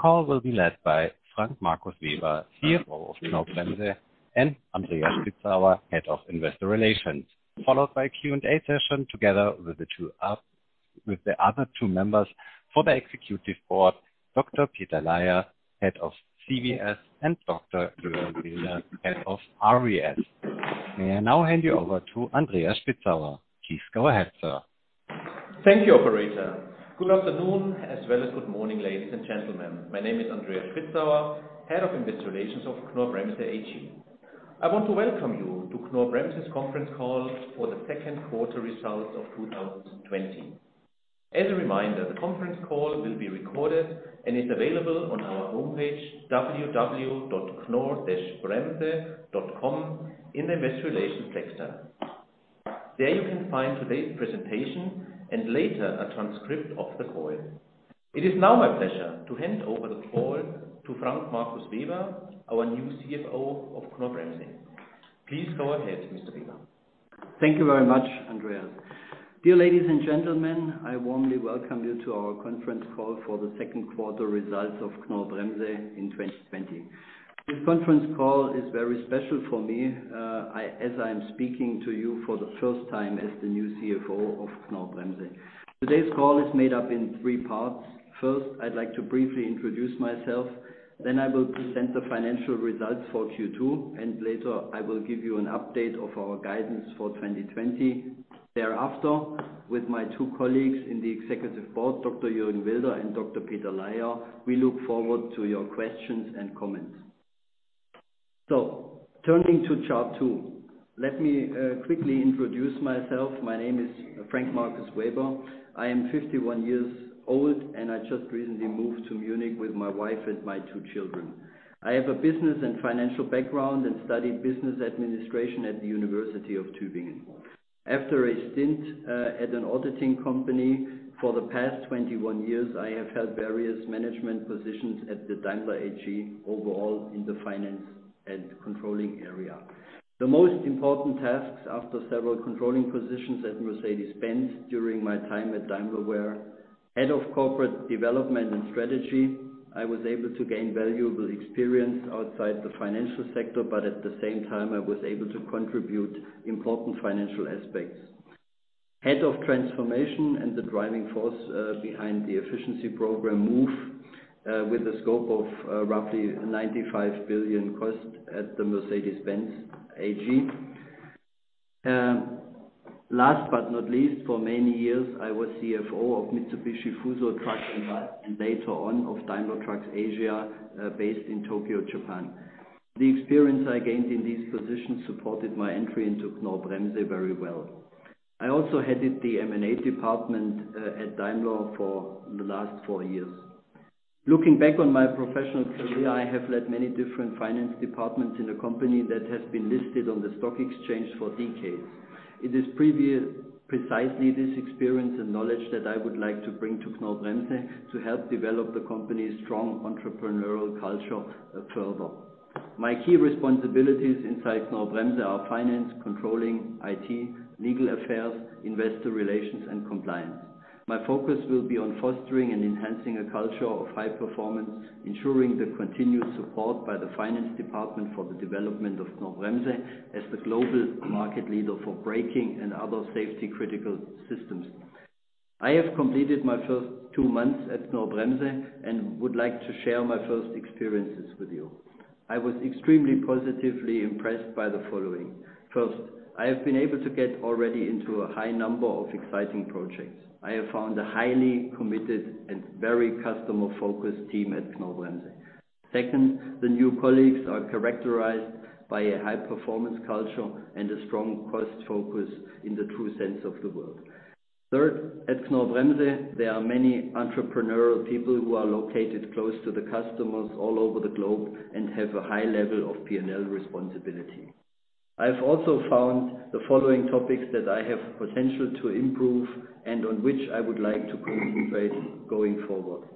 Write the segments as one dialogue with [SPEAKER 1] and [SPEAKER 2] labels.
[SPEAKER 1] Call will be led by Frank Markus Weber, CFO of Knorr-Bremse, and Andreas Spitzauer, Head of Investor Relations, followed by a Q&A session together with the other two members for the Executive Board, Dr. Peter Laier, Head of CVS, and Dr. Jürgen Wilder, Head of RVS. May I now hand you over to Andreas Spitzauer. Please go ahead, Sir.
[SPEAKER 2] Thank you, operator. Good afternoon, as well as good morning, ladies and gentlemen. My name is Andreas Spitzauer, Head of Investor Relations of Knorr-Bremse AG. I want to welcome you to Knorr-Bremse's conference call for the second quarter results of 2020. As a reminder, the conference call will be recorded and is available on our homepage, www.knorr-bremse.com, in the Investor Relations section. There you can find today's presentation and later a transcript of the call. It is now my pleasure to hand over the call to Frank Markus Weber, our new CFO of Knorr-Bremse. Please go ahead, Mr. Weber.
[SPEAKER 3] Thank you very much, Andreas. Dear ladies and gentlemen, I warmly welcome you to our conference call for the second quarter results of Knorr-Bremse in 2020. This conference call is very special for me, as I'm speaking to you for the first time as the new CFO of Knorr-Bremse. Today's call is made up in three parts. First, I'd like to briefly introduce myself, later I will present the financial results for Q2, and later I will give you an update of our guidance for 2020. Thereafter, with my two colleagues in the executive board, Dr. Jürgen Wilder and Dr. Peter Laier, we look forward to your questions and comments. Turning to chart two. Let me quickly introduce myself. My name is Frank Markus Weber. I am 51 years old, I just recently moved to Munich with my wife and my two children. I have a business and financial background and studied business administration at the University of Tübingen. After a stint at an auditing company, for the past 21 years, I have held various management positions at the Daimler AG, overall, in the finance and controlling area. The most important tasks after several controlling positions at Mercedes-Benz during my time at Daimler were Head of Corporate Development and Strategy, I was able to gain valuable experience outside the financial sector, but at the same time I was able to contribute important financial aspects. Head of transformation and the driving force behind the efficiency program MOVE, with a scope of roughly 95 billion cost at the Mercedes-Benz AG. Last but not least, for many years, I was CFO of Mitsubishi Fuso Truck and Bus, and later on of Daimler Truck Asia, based in Tokyo, Japan. The experience I gained in these positions supported my entry into Knorr-Bremse very well. I also headed the M&A department at Daimler for the last four years. Looking back on my professional career, I have led many different finance departments in a company that has been listed on the stock exchange for decades. It is precisely this experience and knowledge that I would like to bring to Knorr-Bremse to help develop the company's strong entrepreneurial culture further. My key responsibilities inside Knorr-Bremse are finance, controlling, IT, legal affairs, investor relations, and compliance. My focus will be on fostering and enhancing a culture of high performance, ensuring the continued support by the finance department for the development of Knorr-Bremse as the global market leader for braking and other safety-critical systems. I have completed my first two months at Knorr-Bremse and would like to share my first experiences with you. I was extremely positively impressed by the following. First, I have been able to get already into a high number of exciting projects. I have found a highly committed and very customer-focused team at Knorr-Bremse. Second, the new colleagues are characterized by a high-performance culture and a strong cost focus in the true sense of the word. Third, at Knorr-Bremse, there are many entrepreneurial people who are located close to the customers all over the globe and have a high level of P&L responsibility. I have also found the following topics that I have potential to improve and on which I would like to concentrate going forward.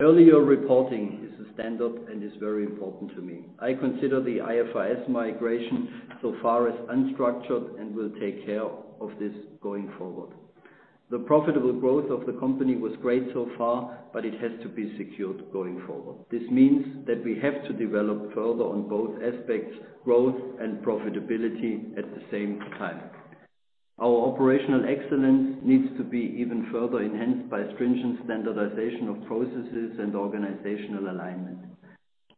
[SPEAKER 3] Earlier reporting is a standard and is very important to me. I consider the IFRS migration so far as unstructured and will take care of this going forward. The profitable growth of the company was great so far, but it has to be secured going forward. This means that we have to develop further on both aspects, growth and profitability, at the same time. Our operational excellence needs to be even further enhanced by stringent standardization of processes and organizational alignment.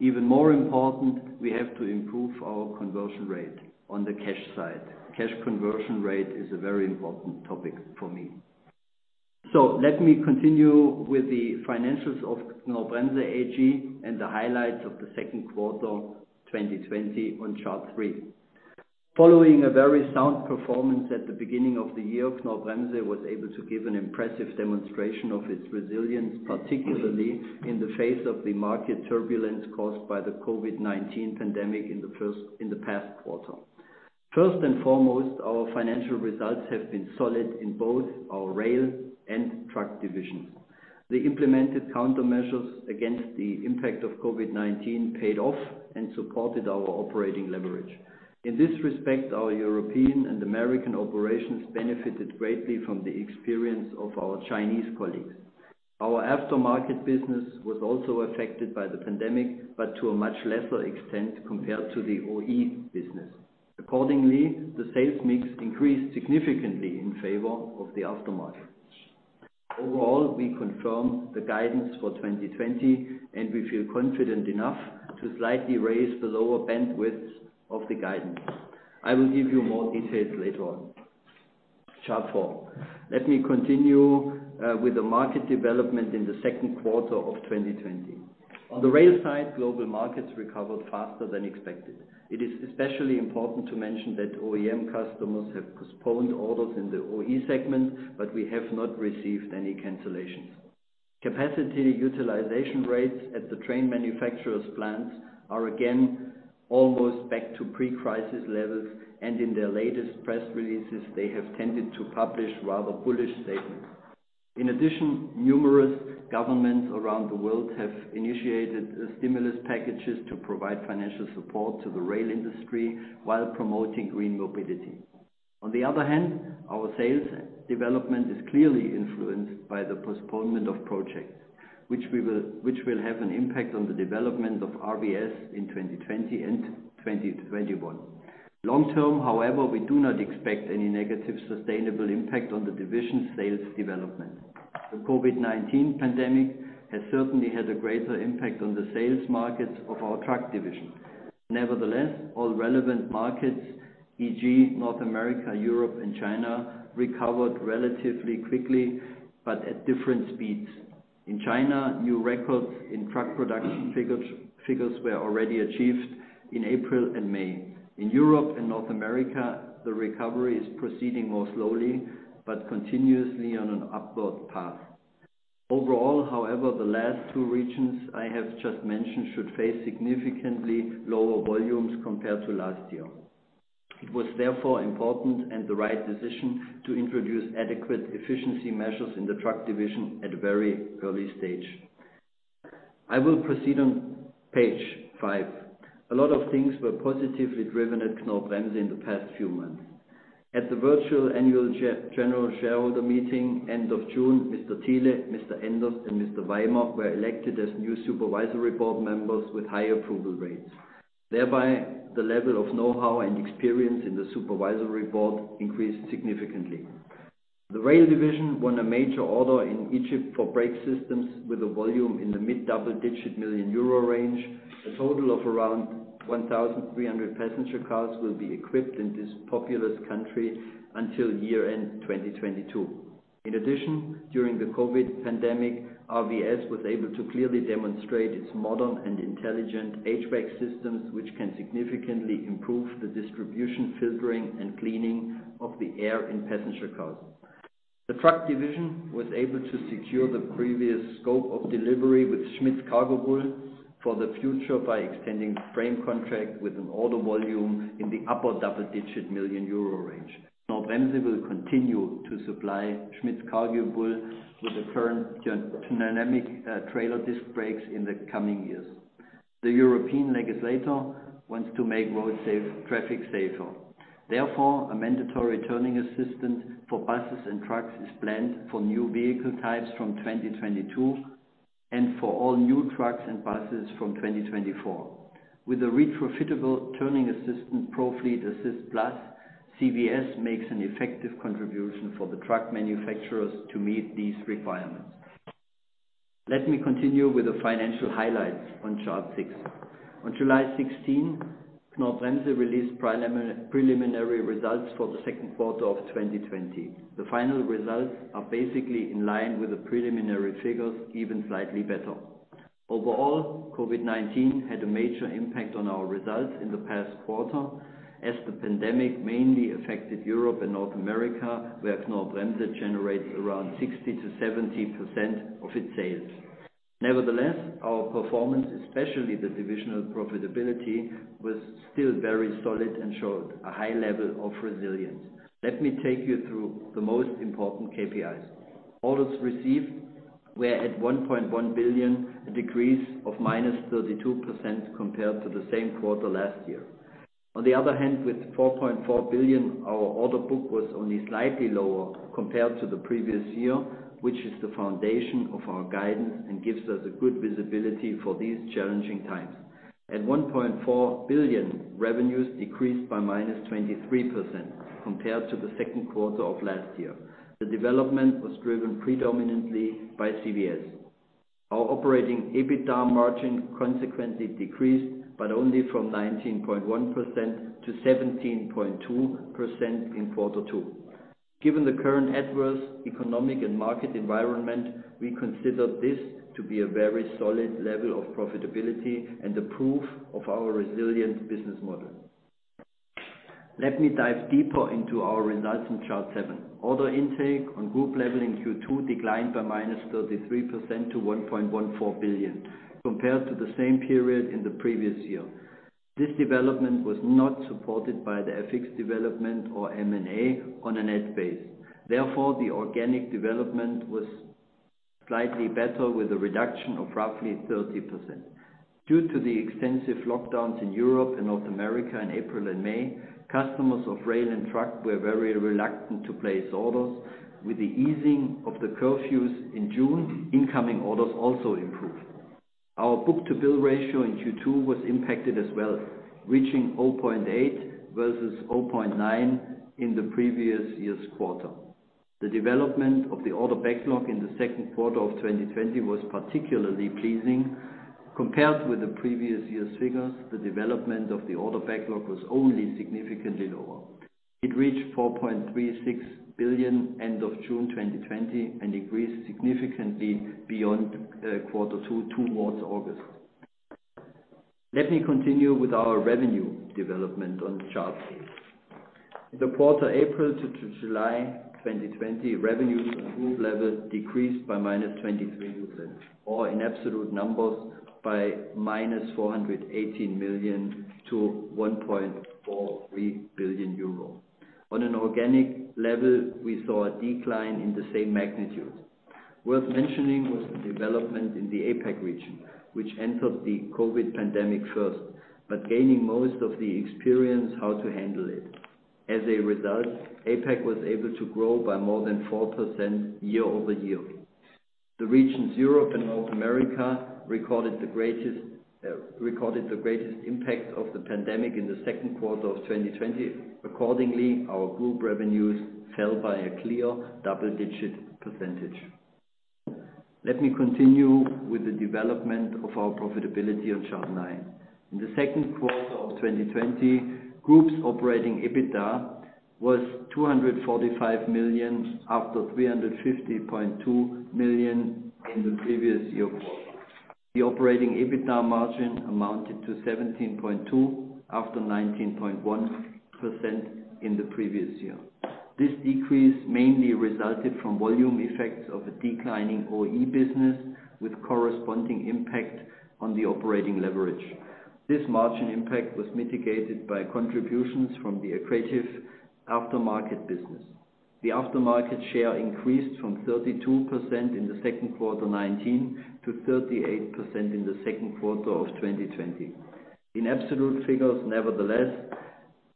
[SPEAKER 3] Even more important, we have to improve our conversion rate on the cash side. Cash conversion rate is a very important topic for me. Let me continue with the financials of Knorr-Bremse AG and the highlights of the second quarter 2020 on chart three. Following a very sound performance at the beginning of the year, Knorr-Bremse was able to give an impressive demonstration of its resilience, particularly in the face of the market turbulence caused by the COVID-19 pandemic in the past quarter. First and foremost, our financial results have been solid in both our rail and truck divisions. The implemented countermeasures against the impact of COVID-19 paid off and supported our operating leverage. In this respect, our European and American operations benefited greatly from the experience of our Chinese colleagues. Our aftermarket business was also affected by the pandemic, but to a much lesser extent compared to the OE business. Accordingly, the sales mix increased significantly in favor of the aftermarket. Overall, we confirm the guidance for 2020, and we feel confident enough to slightly raise the lower bandwidth of the guidance. I will give you more details later on. Chart four. Let me continue with the market development in the second quarter of 2020. On the rail side, global markets recovered faster than expected. It is especially important to mention that OEM customers have postponed orders in the OE segment, but we have not received any cancellations. Capacity utilization rates at the train manufacturer's plants are again almost back to pre-crisis levels, and in their latest press releases, they have tended to publish rather bullish statements. In addition, numerous governments around the world have initiated stimulus packages to provide financial support to the rail industry while promoting green mobility. On the other hand, our sales development is clearly influenced by the postponement of projects, which will have an impact on the development of RVS in 2020 and 2021. Long term, however, we do not expect any negative sustainable impact on the division sales development. The COVID-19 pandemic has certainly had a greater impact on the sales markets of our truck division. Nevertheless, all relevant markets, e.g. North America, Europe, and China, recovered relatively quickly, but at different speeds. In China, new records in truck production figures were already achieved in April and May. In Europe and North America, the recovery is proceeding more slowly, but continuously on an upward path. Overall, however, the last two regions I have just mentioned should face significantly lower volumes compared to last year. It was therefore important and the right decision to introduce adequate efficiency measures in the truck division at a very early stage. I will proceed on page five. A lot of things were positively driven at Knorr-Bremse in the past few months. At the virtual annual general shareholder meeting end of June, Mr. Thiele, Mr. Enders, and Mr. Weimer were elected as new supervisory board members with high approval rates. Thereby, the level of know-how and experience in the supervisory board increased significantly. The Rail division won a major order in Egypt for brake systems with a volume in the mid-double digit million-euro range. A total of around 1,300 passenger cars will be equipped in this populous country until year-end 2022. In addition, during the COVID-19 pandemic, RVS was able to clearly demonstrate its modern and intelligent HVAC systems, which can significantly improve the distribution, filtering, and cleaning of the air in passenger cars. The Truck division was able to secure the previous scope of delivery with Schmitz Cargobull for the future by extending the frame contract with an order volume in the upper double-digit million-euro range. Knorr-Bremse will continue to supply Schmitz Cargobull with the current dynamic trailer disc brakes in the coming years. The European legislator wants to make road traffic safer. A mandatory turning assistant for buses and trucks is planned for new vehicle types from 2022 and for all new trucks and buses from 2024. With a retrofittable turning assistant, ProFleet Assist+, CVS makes an effective contribution for the truck manufacturers to meet these requirements. Let me continue with the financial highlights on chart six. On July 16, Knorr-Bremse released preliminary results for the second quarter of 2020. The final results are basically in line with the preliminary figures, even slightly better. Over-all, COVID-19 had a major impact on our results in the past quarter as the pandemic mainly affected Europe and North America, where Knorr-Bremse generates around 60%-70% of its sales. Our performance, especially the divisional profitability, was still very solid and showed a high level of resilience. Let me take you through the most important KPIs. Orders received were at 1.1 billion, a decrease of -32% compared to the same quarter last year. On the other hand, with 4.4 billion, our order book was only slightly lower compared to the previous year, which is the foundation of our guidance and gives us a good visibility for these challenging times. At 1.4 billion, revenues decreased by -23% compared to the second quarter of last year. The development was driven predominantly by CVS. Our operating EBITDA margin consequently decreased, but only from 19.1% to 17.2% in quarter two. Given the current adverse economic and market environment, we consider this to be a very solid level of profitability and the proof of our resilient business model. Let me dive deeper into our results in chart seven. Order intake on group level in Q2 declined by -33% to 1.14 billion compared to the same period in the previous year. This development was not supported by the FX development or M&A on a net base. Therefore, the organic development was slightly better with a reduction of roughly 30%. Due to the extensive lockdowns in Europe and North America in April and May, customers of rail and truck were very reluctant to place orders. With the easing of the curfews in June, incoming orders also improved. Our book-to-bill ratio in Q2 was impacted as well, reaching 0.8 versus 0.9 in the previous year's quarter. The development of the order backlog in the second quarter of 2020 was particularly pleasing. Compared with the previous year's figures, the development of the order backlog was only significantly lower. It reached 4.36 billion end of June 2020 and increased significantly beyond quarter two towards August. Let me continue with our revenue development on the chart. In the quarter April to July 2020, revenues on group level decreased by -23% or in absolute numbers by -418 million to 1.43 billion euro. On an organic level, we saw a decline in the same magnitude. Worth mentioning was the development in the APAC region, which entered the COVID pandemic first, but gaining most of the experience how to handle it. As a result, APAC was able to grow by more than 4% year-over-year. The regions Europe and North America recorded the greatest impact of the pandemic in the second quarter of 2020. Accordingly, our group revenues fell by a clear double-digit percentage. Let me continue with the development of our profitability on chart nine. In the second quarter of 2020, group's operating EBITDA was 245 million after 350.2 million in the previous year quarter. The operating EBITDA margin amounted to 17.2% after 19.1% in the previous year. This decrease mainly resulted from volume effects of a declining OE business with corresponding impact on the operating leverage. This margin impact was mitigated by contributions from the accretive aftermarket business. The aftermarket share increased from 32% in the second quarter 2019 to 38% in the second quarter of 2020. In absolute figures, nevertheless,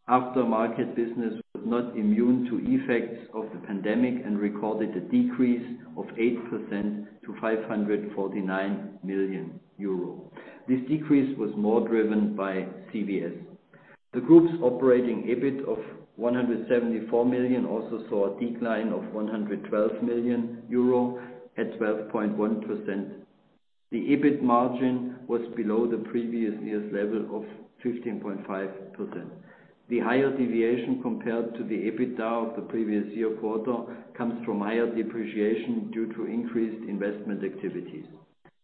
[SPEAKER 3] aftermarket business was not immune to effects of the pandemic and recorded a decrease of 8% to 549 million euro. This decrease was more driven by CVS. The group's operating EBIT of 174 million also saw a decline of 112 million euro at 12.1%. The EBIT margin was below the previous year's level of 15.5%. The higher deviation compared to the EBITDA of the previous year quarter comes from higher depreciation due to increased investment activities.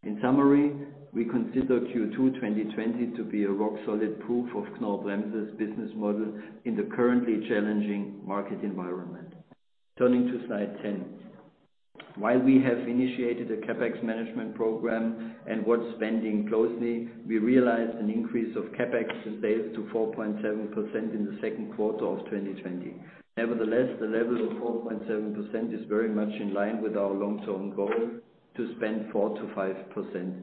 [SPEAKER 3] In summary, we consider Q2 2020 to be a rock-solid proof of Knorr-Bremse's business model in the currently challenging market environment. Turning to slide 10. While we have initiated a CapEx management program and watch spending closely, we realized an increase of CapEx to sales to 4.7% in the second quarter of 2020. Nevertheless, the level of 4.7% is very much in line with our long-term goal to spend 4%-5%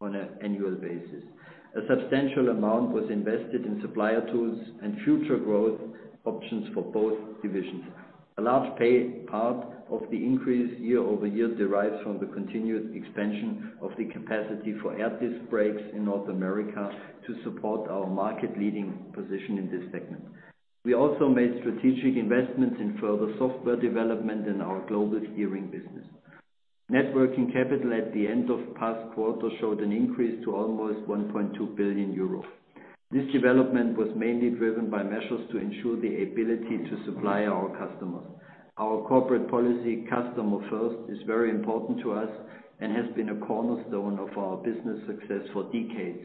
[SPEAKER 3] on an annual basis. A substantial amount was invested in supplier tools and future growth options for both divisions. A large part of the increase year-over-year derives from the continued expansion of the capacity for air disc brakes in North America to support our market-leading position in this segment. We also made strategic investments in further software development in our global steering business. Net working capital at the end of past quarter showed an increase to almost 1.2 billion euro. This development was mainly driven by measures to ensure the ability to supply our customers. Our corporate policy, customer first, is very important to us and has been a cornerstone of our business success for decades.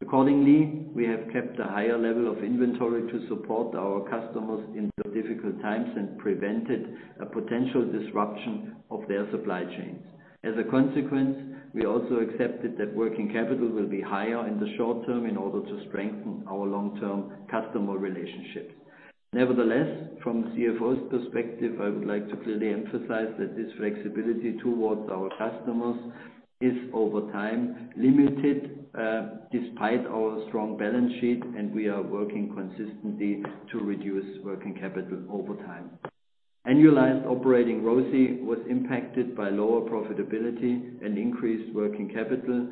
[SPEAKER 3] Accordingly, we have kept a higher level of inventory to support our customers in these difficult times and prevented a potential disruption of their supply chains. As a consequence, we also accepted that working capital will be higher in the short term in order to strengthen our long-term customer relationship. Nevertheless, from the CFO's perspective, I would like to clearly emphasize that this flexibility towards our customers is over time limited, despite our strong balance sheet, and we are working consistently to reduce working capital over time. Annualized operating ROCE was impacted by lower profitability and increased working capital,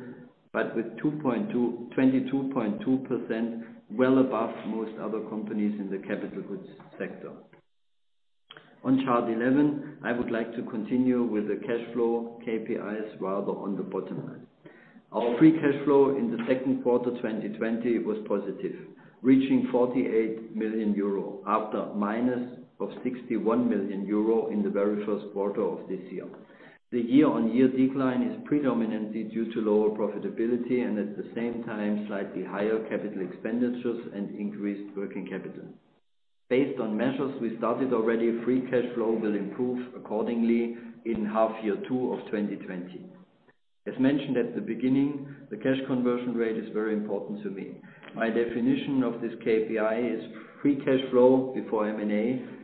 [SPEAKER 3] but with 22.2%, well above most other companies in the capital goods sector. On chart 11, I would like to continue with the cash flow KPIs rather on the bottom line. Our free cash flow in the second quarter 2020 was positive, reaching 48 million euro after minus of 61 million euro in the very first quarter of this year. The year-on-year decline is predominantly due to lower profitability and at the same time, slightly higher capital expenditures and increased working capital. Based on measures we started already, free cash flow will improve accordingly in half year two of 2020. As mentioned at the beginning, the cash conversion rate is very important to me. My definition of this KPI is free cash flow before M&A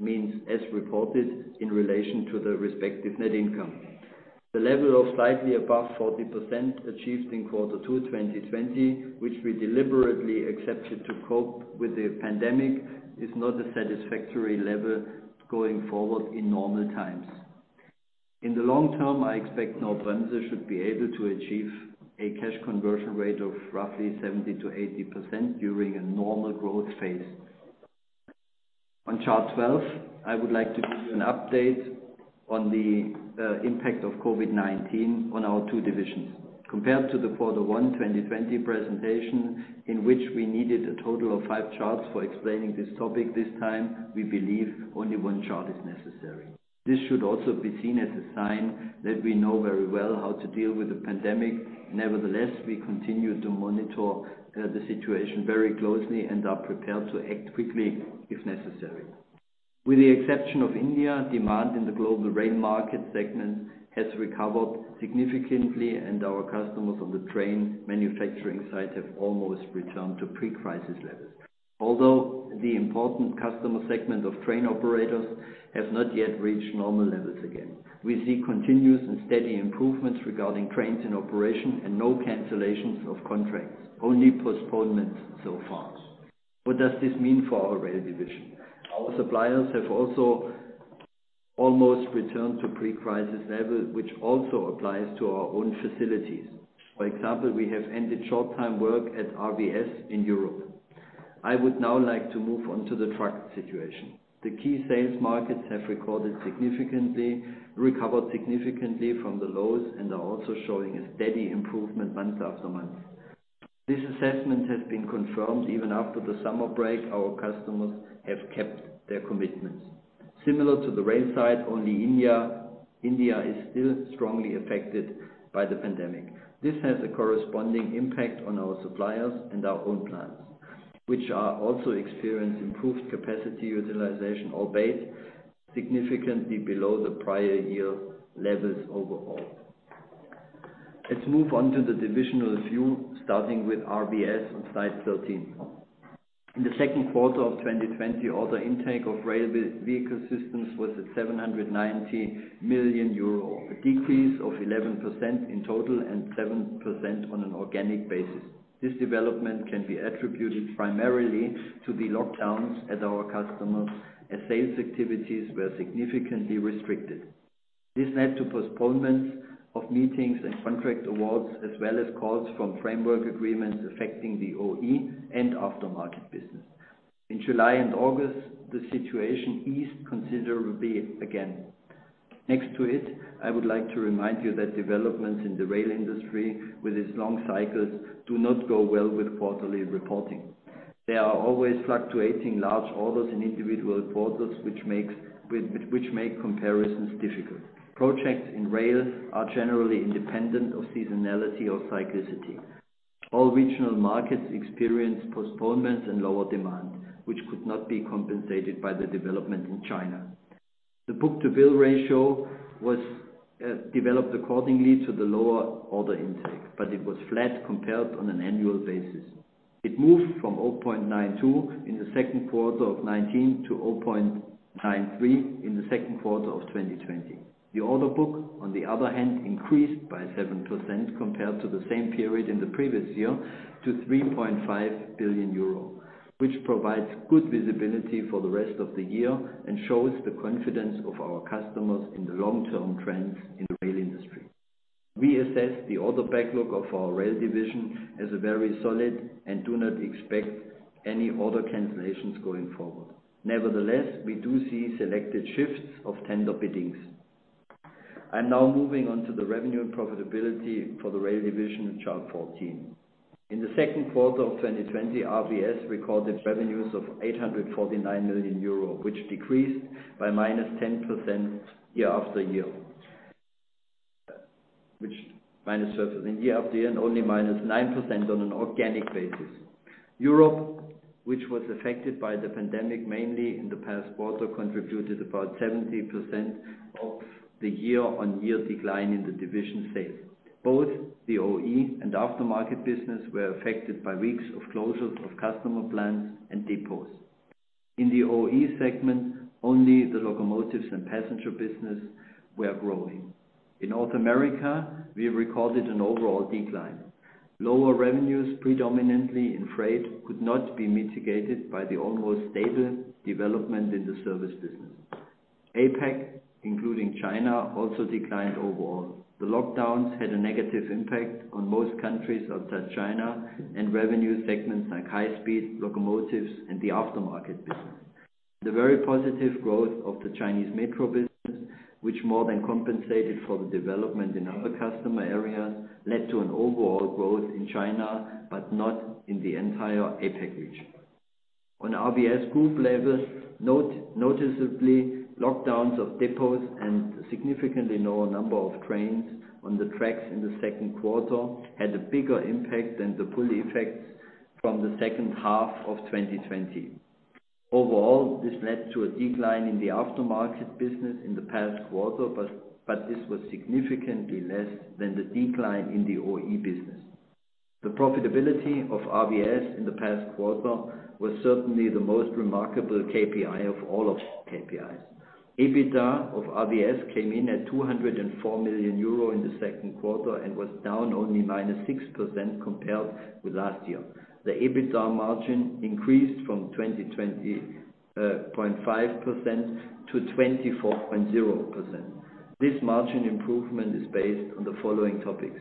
[SPEAKER 3] means as reported in relation to the respective net income. The level of slightly above 40% achieved in quarter two 2020, which we deliberately accepted to cope with the pandemic, is not a satisfactory level going forward in normal times. In the long term, I expect Knorr-Bremse should be able to achieve a cash conversion rate of roughly 70%-80% during a normal growth phase. On chart 12, I would like to give you an update on the impact of COVID-19 on our two divisions. Compared to the quarter one 2020 presentation, in which we needed a total of five charts for explaining this topic, this time we believe only one chart is necessary. This should also be seen as a sign that we know very well how to deal with the pandemic. Nevertheless, we continue to monitor the situation very closely and are prepared to act quickly if necessary. With the exception of India, demand in the global rail market segment has recovered significantly, and our customers on the train manufacturing side have almost returned to pre-crisis levels. Although, the important customer segment of train operators has not yet reached normal levels again. We see continuous and steady improvements regarding trains in operation and no cancellations of contracts, only postponements so far. What does this mean for our rail division? Our suppliers have also almost returned to pre-crisis level, which also applies to our own facilities. For example, we have ended short time work at RVS in Europe. I would now like to move on to the truck situation. The key sales markets have recovered significantly from the lows and are also showing a steady improvement month after month. This assessment has been confirmed even after the summer break; our customers have kept their commitments. Similar to the rail side, only India is still strongly affected by the pandemic. This has a corresponding impact on our suppliers and our own plants, which are also experience improved capacity utilization, albeit significantly below the prior year levels overall. Let's move on to the divisional view starting with RVS on slide 13. In the second quarter of 2020, order intake of Rail Vehicle Systems was at 790 million euro, a decrease of 11% in total and 7% on an organic basis. This development can be attributed primarily to the lockdowns at our customers as sales activities were significantly restricted. This led to postponements of meetings and contract awards, as well as calls from framework agreements affecting the OE and aftermarket business. In July and August, the situation eased considerably again. Next to it, I would like to remind you that developments in the rail industry with its long cycles do not go well with quarterly reporting. There are always fluctuating large orders in individual quarters which make comparisons difficult. Projects in rail are generally independent of seasonality or cyclicity. All regional markets experience postponements and lower demand, which could not be compensated by the development in China. The book-to-bill ratio was developed according to the lower order intake. It was flat compared on an annual basis. It moved from 0.92 in the second quarter of 2019 to 0.93 in the second quarter of 2020. The order book, on the other hand, increased by 7% compared to the same period in the previous year to 3.5 billion euro, which provides good visibility for the rest of the year and shows the confidence of our customers in the long-term trends in the rail industry. We assess the order backlog of our rail division as very solid and do not expect any order cancellations going forward. Nevertheless, we do see selected shifts of tender biddings. I am now moving on to the revenue and profitability for the rail division in chart 14. In the second quarter of 2020, RVS recorded revenues of 849 million euro, which decreased by -10% year-over-year, and only -9% on an organic basis. Europe, which was affected by the pandemic mainly in the past quarter, contributed about 70% of the year-on-year decline in the division's sales. Both the OE and aftermarket business were affected by weeks of closures of customer plans and depots. In the OE segment, only the locomotives and passenger business were growing. In North America, we have recorded an overall decline. Lower revenues, predominantly in freight, could not be mitigated by the almost stable development in the service business. APAC, including China, also declined overall. The lockdowns had a negative impact on most countries outside China and revenue segments like high speed, locomotives, and the aftermarket business. The very positive growth of the Chinese metro business, which more than compensated for the development in other customer areas, led to an overall growth in China, but not in the entire APAC region. On RVS group level, noticeably, lockdowns of depots and significantly lower number of trains on the tracks in the second quarter had a bigger impact than the pull effects from the second half of 2020. Overall, this led to a decline in the aftermarket business in the past quarter, but this was significantly less than the decline in the OE business. The profitability of RVS in the past quarter was certainly the most remarkable KPI of all KPIs. EBITDA of RVS came in at 204 million euro in the second quarter and was down only -6% compared with last year. The EBITDA margin increased from 20.5%-24.0%. This margin improvement is based on the following topics.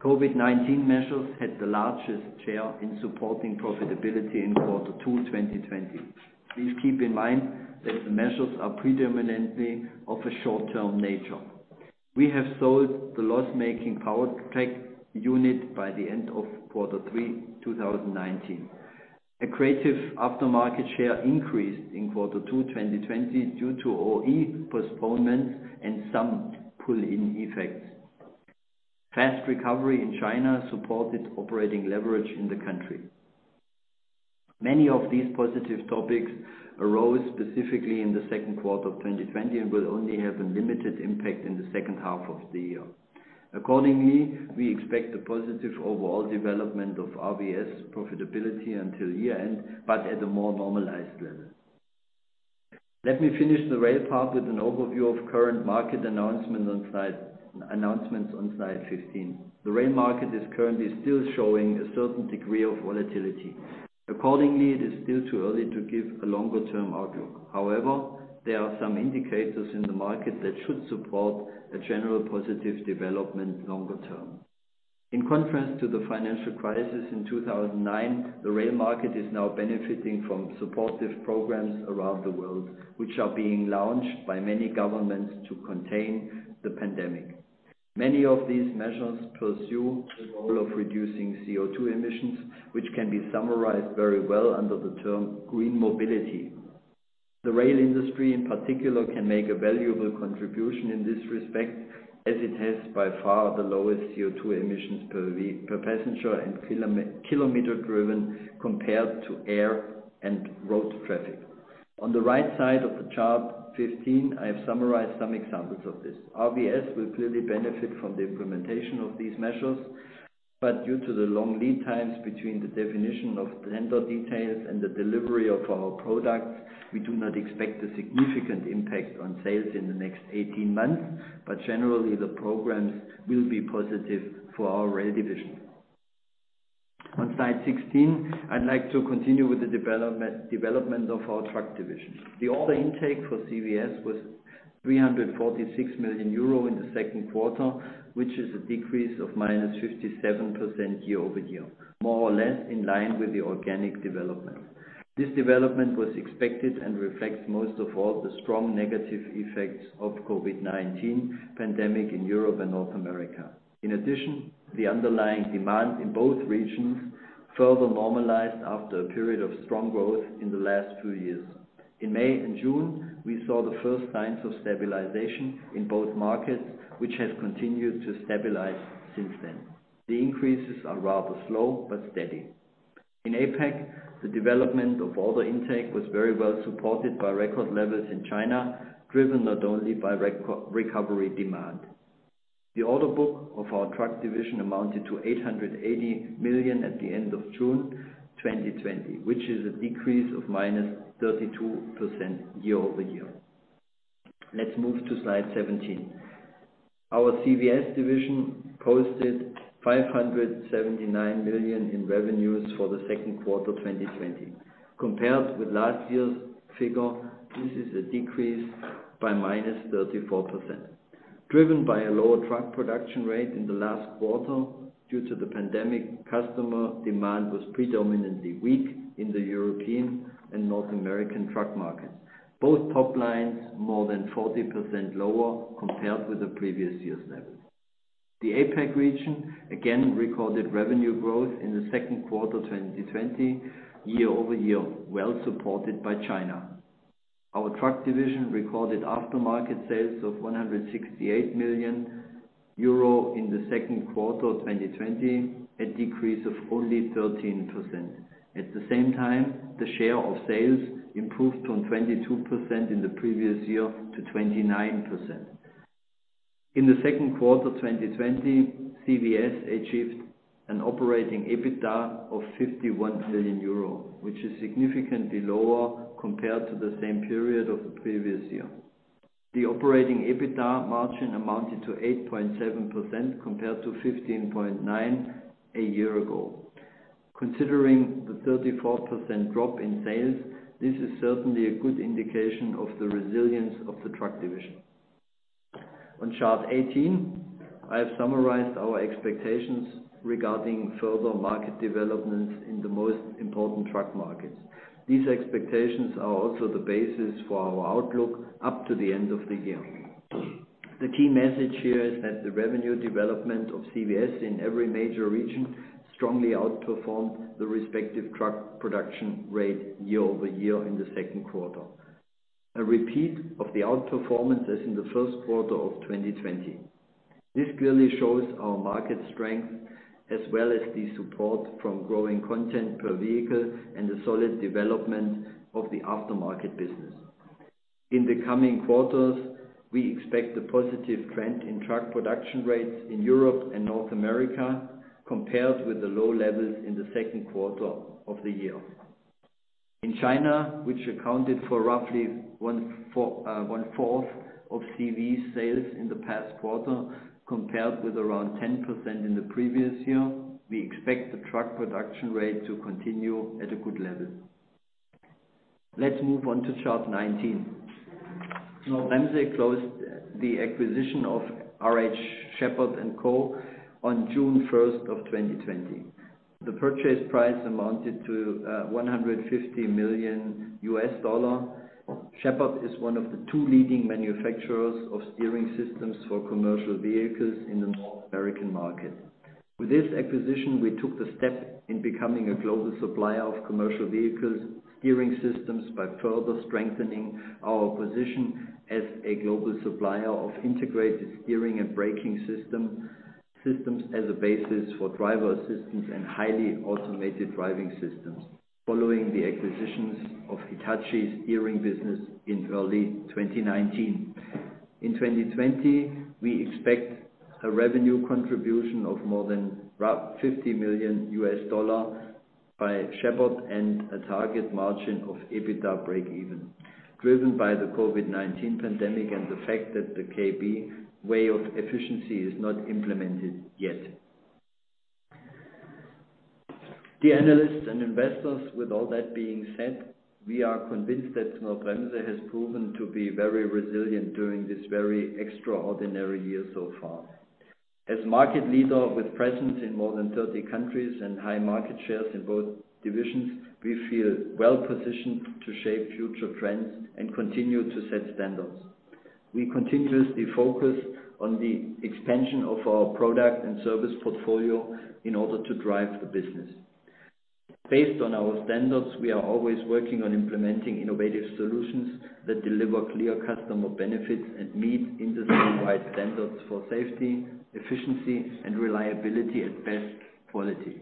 [SPEAKER 3] COVID-19 measures had the largest share in supporting profitability in quarter two 2020. Please keep in mind that the measures are predominantly of a short-term nature. We have sold the loss-making powertrain unit by the end of quarter three 2019. Accretive aftermarket share increased in quarter two 2020 due to OE postponements and some pull-in effects. Fast recovery in China supported operating leverage in the country. Many of these positive topics arose specifically in the second quarter of 2020 and will only have a limited impact in the second half of the year. Accordingly, we expect a positive overall development of RVS profitability until year-end, but at a more normalized level. Let me finish the rail part with an overview of current market announcements on slide 15. The rail market is currently still showing a certain degree of volatility. Accordingly, it is still too early to give a longer-term outlook. However, there are some indicators in the market that should support a general positive development longer term. In contrast to the financial crisis in 2009, the rail market is now benefiting from supportive programs around the world, which are being launched by many governments to contain the pandemic. Many of these measures pursue the goal of reducing CO2 emissions, which can be summarized very well under the term "green mobility." The rail industry, in particular, can make a valuable contribution in this respect, as it has by far the lowest CO2 emissions per passenger and kilometer driven compared to air and road traffic. On the right side of the chart 15, I have summarized some examples of this. RVS will clearly benefit from the implementation of these measures, but due to the long lead times between the definition of tender details and the delivery of our products, we do not expect a significant impact on sales in the next 18 months, but generally, the programs will be positive for our rail division. On slide 16, I'd like to continue with the development of our truck division. The order intake for CVS was 346 million euro in the second quarter, which is a decrease of -57% year-over-year, more or less in line with the organic development. This development was expected and reflects most of all the strong negative effects of COVID-19 pandemic in Europe and North America. In addition, the underlying demand in both regions further normalized after a period of strong growth in the last two years. In May and June, we saw the first signs of stabilization in both markets, which have continued to stabilize since then. The increases are rather slow but steady. In APAC, the development of order intake was very well supported by record levels in China, driven not only by recovery demand. The order book of our truck division amounted to 880 million at the end of June 2020, which is a decrease of -32% year-over-year. Let's move to slide 17. Our CVS division posted 579 million in revenues for the second quarter 2020. Compared with last year's figure, this is a decrease by -34%. Driven by a lower truck production rate in the last quarter due to the pandemic, customer demand was predominantly weak in the European and North American truck markets. Both top lines more than 40% lower compared with the previous year's levels. The APAC region again recorded revenue growth in the second quarter 2020 year-over-year, well supported by China. Our truck division recorded aftermarket sales of 168 million euro in the second quarter 2020, a decrease of only 13%. At the same time, the share of sales improved from 22% in the previous year to 29%. In the second quarter 2020, CVS achieved an operating EBITDA of 51 million euro, which is significantly lower compared to the same period of the previous year. The operating EBITDA margin amounted to 8.7% compared to 15.9% a year ago. Considering the 34% drop in sales, this is certainly a good indication of the resilience of the truck division. On chart 18, I have summarized our expectations regarding further market developments in the most important truck markets. These expectations are also the basis for our outlook up to the end of the year. The key message here is that the revenue development of CVS in every major region strongly outperformed the respective truck production rate year-over-year in the second quarter. A repeat of the outperformance as in the first quarter of 2020. This clearly shows our market strength as well as the support from growing content per vehicle and the solid development of the aftermarket business. In the coming quarters, we expect a positive trend in truck production rates in Europe and North America compared with the low levels in the second quarter of the year. In China, which accounted for roughly 1/4 of CV sales in the past quarter, compared with around 10% in the previous year, we expect the truck production rate to continue at a good level. Let's move on to chart 19. Knorr-Bremse closed the acquisition of R.H. Sheppard & Co. on June 1st, 2020. The purchase price amounted to $150 million. Sheppard is one of the two leading manufacturers of steering systems for commercial vehicles in the North American market. With this acquisition, we took the step in becoming a global supplier of commercial vehicles steering systems by further strengthening our position as a global supplier of integrated steering and braking systems as a basis for driver assistance and highly automated driving systems, following the acquisitions of Hitachi's steering business in early 2019. In 2020, we expect a revenue contribution of more than rough $50 million by Sheppard and a target margin of EBITDA breakeven, driven by the COVID-19 pandemic and the fact that the KB way of efficiency is not implemented yet. Dear analysts and investors, with all that being said, we are convinced that Knorr-Bremse has proven to be very resilient during this very extraordinary year so far. As market leader with presence in more than 30 countries and high market shares in both divisions, we feel well-positioned to shape future trends and continue to set standards. We continuously focus on the expansion of our product and service portfolio in order to drive the business. Based on our standards, we are always working on implementing innovative solutions that deliver clear customer benefits and meet industry-wide standards for safety, efficiency, and reliability at best quality.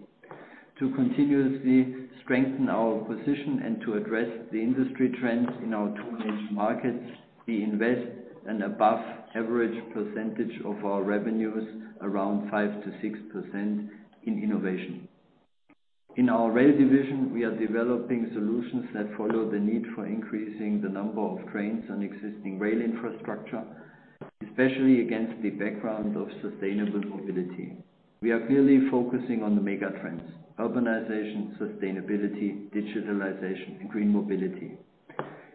[SPEAKER 3] To continuously strengthen our position and to address the industry trends in our two niche markets, we invest an above-average percentage of our revenues, around 5%-6%, in innovation. In our rail division, we are developing solutions that follow the need for increasing the number of trains on existing rail infrastructure, especially against the background of sustainable mobility. We are clearly focusing on the mega trends, urbanization, sustainability, digitalization, and green mobility.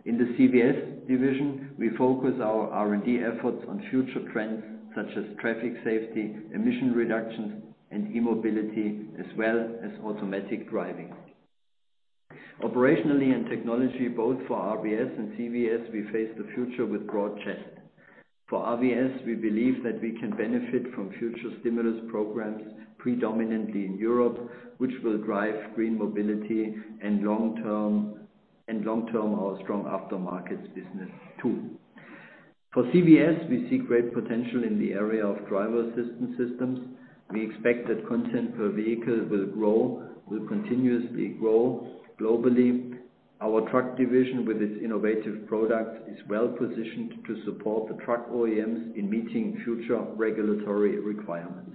[SPEAKER 3] In the CVS division, we focus our R&D efforts on future trends such as traffic safety, emission reductions, and e-mobility, as well as automatic driving. Operationally and technology, both for RVS and CVS, we face the future with broad chest. For RVS, we believe that we can benefit from future stimulus programs, predominantly in Europe, which will drive green mobility and long-term our strong aftermarkets business too. For CVS, we see great potential in the area of driver assistance systems. We expect that content per vehicle will continuously grow globally. Our truck division, with its innovative products, is well-positioned to support the truck OEMs in meeting future regulatory requirements.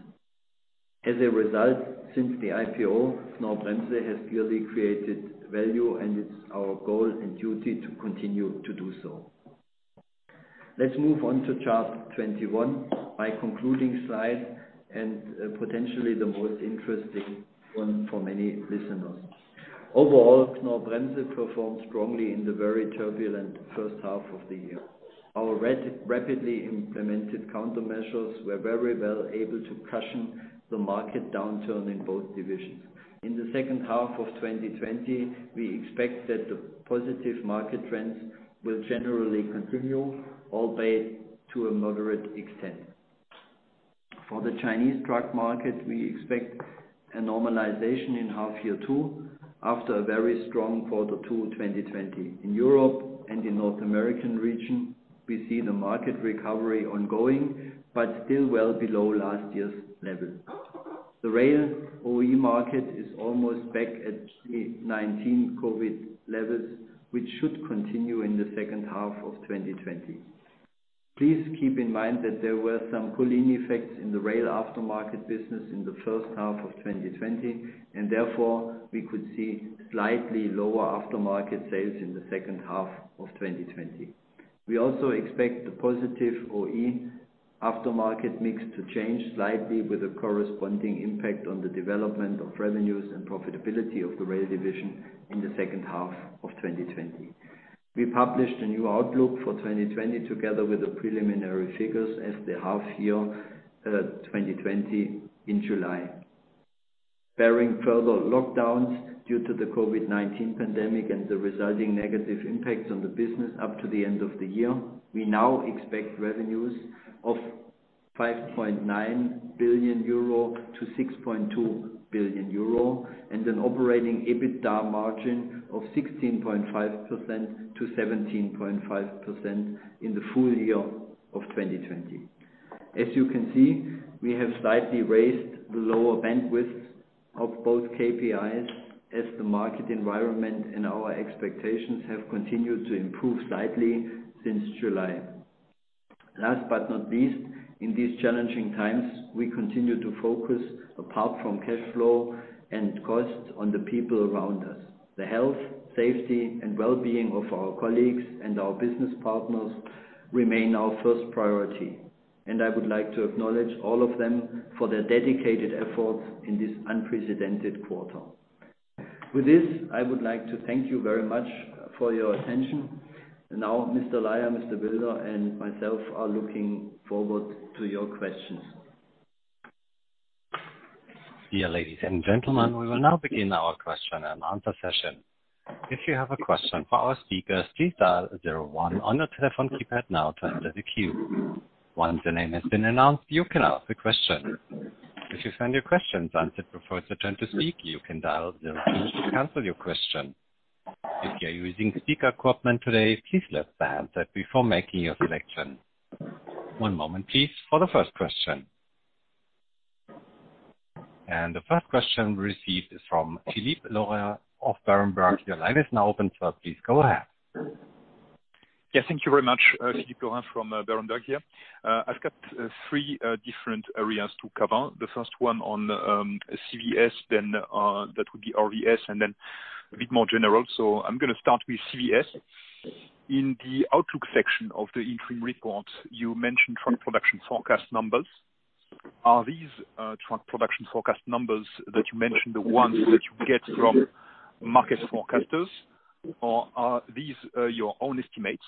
[SPEAKER 3] As a result, since the IPO, Knorr-Bremse has clearly created value, and it's our goal and duty to continue to do so. Let's move on to chart 21, my concluding slide and potentially the most interesting one for many listeners. Overall, Knorr-Bremse performed strongly in the very turbulent first half of the year. Our rapidly implemented countermeasures were very well able to cushion the market downturn in both divisions. In the second half of 2020, we expect that the positive market trends will generally continue, albeit to a moderate extent. For the Chinese truck market, we expect a normalization in half year two, after a very strong quarter two 2020. In Europe and the North American region, we see the market recovery ongoing, but still well below last year's level. The rail OE market is almost back at pre-2019 COVID-19 levels, which should continue in the second half of 2020. Please keep in mind that there were some pull-in effects in the rail aftermarket business in the first half of 2020, and therefore, we could see slightly lower aftermarket sales in the second half of 2020. We also expect the positive OE aftermarket mix to change slightly with a corresponding impact on the development of revenues and profitability of the rail division in the second half of 2020. We published a new outlook for 2020, together with the preliminary figures as the half year 2020 in July. Barring further lockdowns due to the COVID-19 pandemic and the resulting negative impacts on the business up to the end of the year, we now expect revenues of 5.9 billion-6.2 billion euro, and an operating EBITDA margin of 16.5%-17.5% in the full year of 2020. As you can see, we have slightly raised the lower bandwidths of both KPIs as the market environment and our expectations have continued to improve slightly since July. Last but not least, in these challenging times, we continue to focus, apart from cash flow and costs, on the people around us. The health, safety, and wellbeing of our colleagues and our business partners remain our first priority, and I would like to acknowledge all of them for their dedicated efforts in this unprecedented quarter. With this, I would like to thank you very much for your attention. Now, Mr. Laier, Mr. Wilder, and myself are looking forward to your questions.
[SPEAKER 1] Dear ladies and gentlemen, we will now begin our question and answer session. If you have a question for our speakers, please dial zero-one on your telephone keypad now to enter the queue. Once the name has been announced, you can ask the question. If you find your question answered before it's your turn to speak, you can dial zero-two to cancel your question. If you're using speaker equipment today, please lift the handset before making your selection. One moment, please, for the first question. The first question received is from Philippe Lorrain of Berenberg. Your line is now open, Sir. Please go ahead.
[SPEAKER 4] Yes, thank you very much. Philippe Lorrain from Berenberg here. I've got three different areas to cover. The first one on CVS, then that would be RVS, and then a bit more general. I'm going to start with CVS. In the outlook section of the interim report, you mentioned truck production forecast numbers. Are these truck production forecast numbers that you mentioned the ones that you get from market forecasters or are these your own estimates?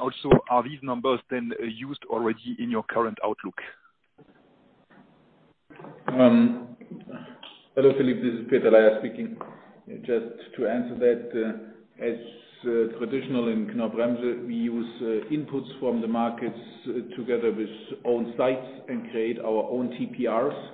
[SPEAKER 4] Also, are these numbers then used already in your current outlook?
[SPEAKER 5] Hello, Philippe, this is Peter Laier speaking. Just to answer that, as traditional in Knorr-Bremse, we use inputs from the markets together with own sites and create our own TPRs.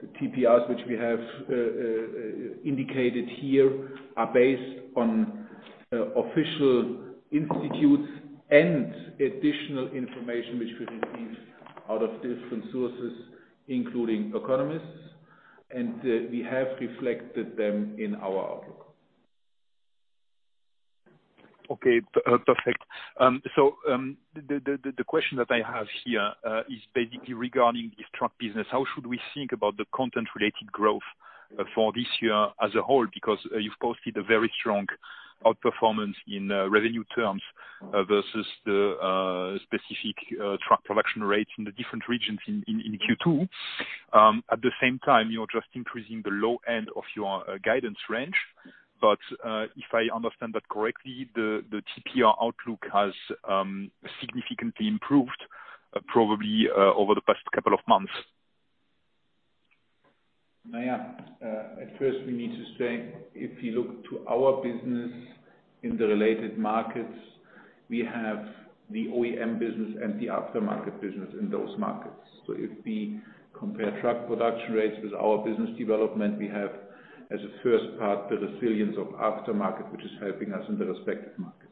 [SPEAKER 5] The TPRs which we have indicated here are based on official institutes and additional information which we receive out of different sources, including economists, and we have reflected them in our outlook.
[SPEAKER 4] Okay, perfect. The question that I have here is basically regarding the truck business. How should we think about the content-related growth for this year as a whole? Because you've posted a very strong outperformance in revenue terms versus the specific truck production rates in the different regions in Q2. At the same time, you're just increasing the low end of your guidance range. If I understand that correctly, the TPR outlook has significantly improved probably over the past couple of months.
[SPEAKER 5] Yeah. At first, we need to say, if you look to our business in the related markets, we have the OEM business and the aftermarket business in those markets. If we compare truck production rates with our business development, we have as a first part, the resilience of aftermarket, which is helping us in the respective markets.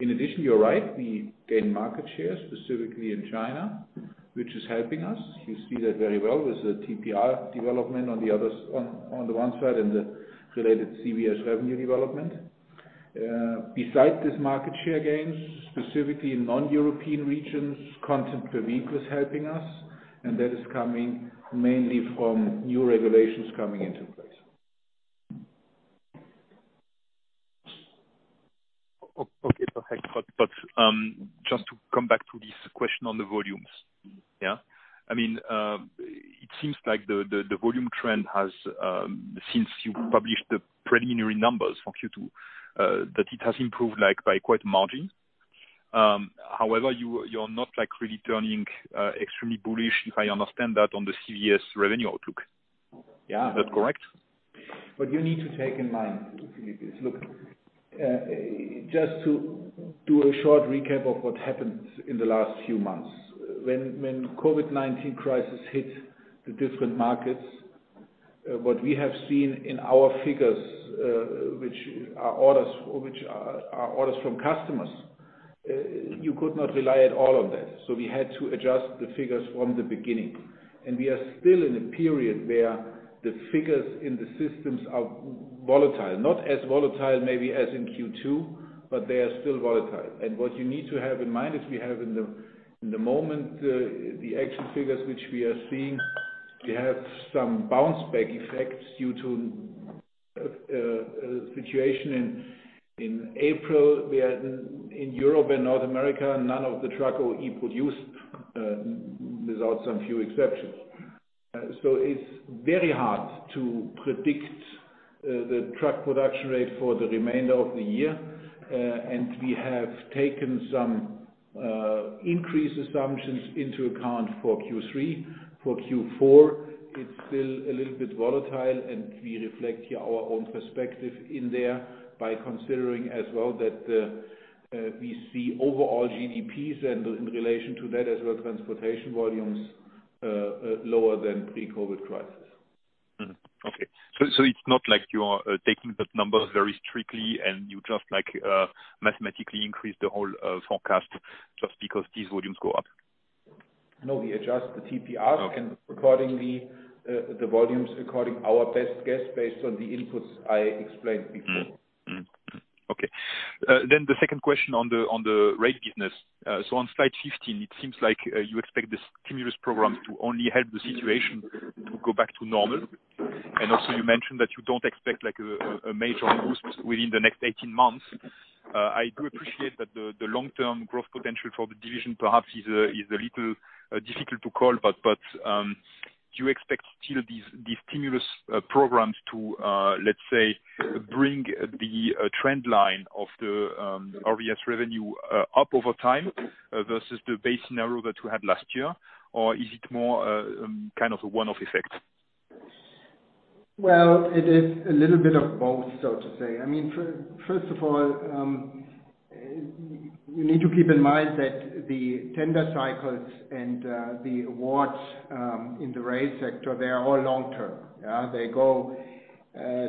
[SPEAKER 5] In addition, you're right, we gain market share, specifically in China, which is helping us. You see that very well with the TPR development on the one side and the related CVS revenue development. Besides this market share gain, specifically in non-European regions, content per vehicle is helping us, and that is coming mainly from new regulations coming into place.
[SPEAKER 4] Okay, perfect. Just to come back to this question on the volumes. I mean, it seems like the volume trend has, since you published the preliminary numbers for Q2, that it has improved by quite a margin. You're not really turning extremely bullish, if I understand that, on the CVS revenue outlook.
[SPEAKER 5] Yeah.
[SPEAKER 4] Is that correct?
[SPEAKER 5] What you need to take in mind, Philippe, is look, just to do a short recap of what happened in the last few months. When COVID-19 crisis hit the different markets, what we have seen in our figures, which are orders from customers, you could not rely at all on that. We had to adjust the figures from the beginning. We are still in a period where the figures in the systems are volatile. Not as volatile maybe as in Q2, but they are still volatile. What you need to have in mind is we have in the moment the actual figures which we are seeing we have some bounce back effects due to situation in April, where in Europe and North America, none of the truck OE produced, without some few exceptions. It's very hard to predict the truck production rate for the remainder of the year. We have taken some increase assumptions into account for Q3. For Q4, it's still a little bit volatile. We reflect here our own perspective in there by considering as well that we see overall GDPs and in relation to that as well, transportation volumes lower than pre-COVID crisis.
[SPEAKER 4] Okay. It's not like you are taking that number very strictly and you just mathematically increase the whole forecast just because these volumes go up?
[SPEAKER 5] We adjust the TPRs and the volumes according our best guess based on the inputs I explained before.
[SPEAKER 4] Okay. The second question on the rail business. On slide 15, it seems like you expect the stimulus programs to only help the situation to go back to normal. Also, you mentioned that you don't expect a major boost within the next 18 months. I do appreciate that the long-term growth potential for the division perhaps is a little difficult to call, but do you expect still these stimulus programs to, let's say, bring the trend line of the RVS revenue up over time versus the base scenario that we had last year? Or is it more a one-off effect?
[SPEAKER 6] It is a little bit of both, so to say. First of all, you need to keep in mind that the tender cycles and the awards in the rail sector, they are all long-term.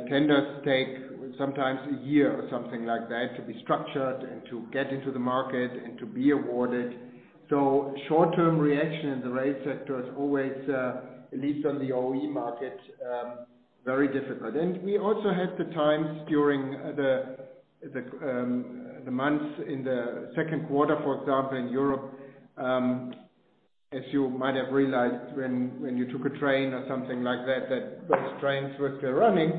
[SPEAKER 6] Tenders take sometimes one year or something like that to be structured and to get into the market and to be awarded. Short-term reaction in the rail sector is always, at least on the OE market, very difficult. We also had the times during the months in the second quarter, for example, in Europe, if you might have realized when you took a train or something like that those trains were still running,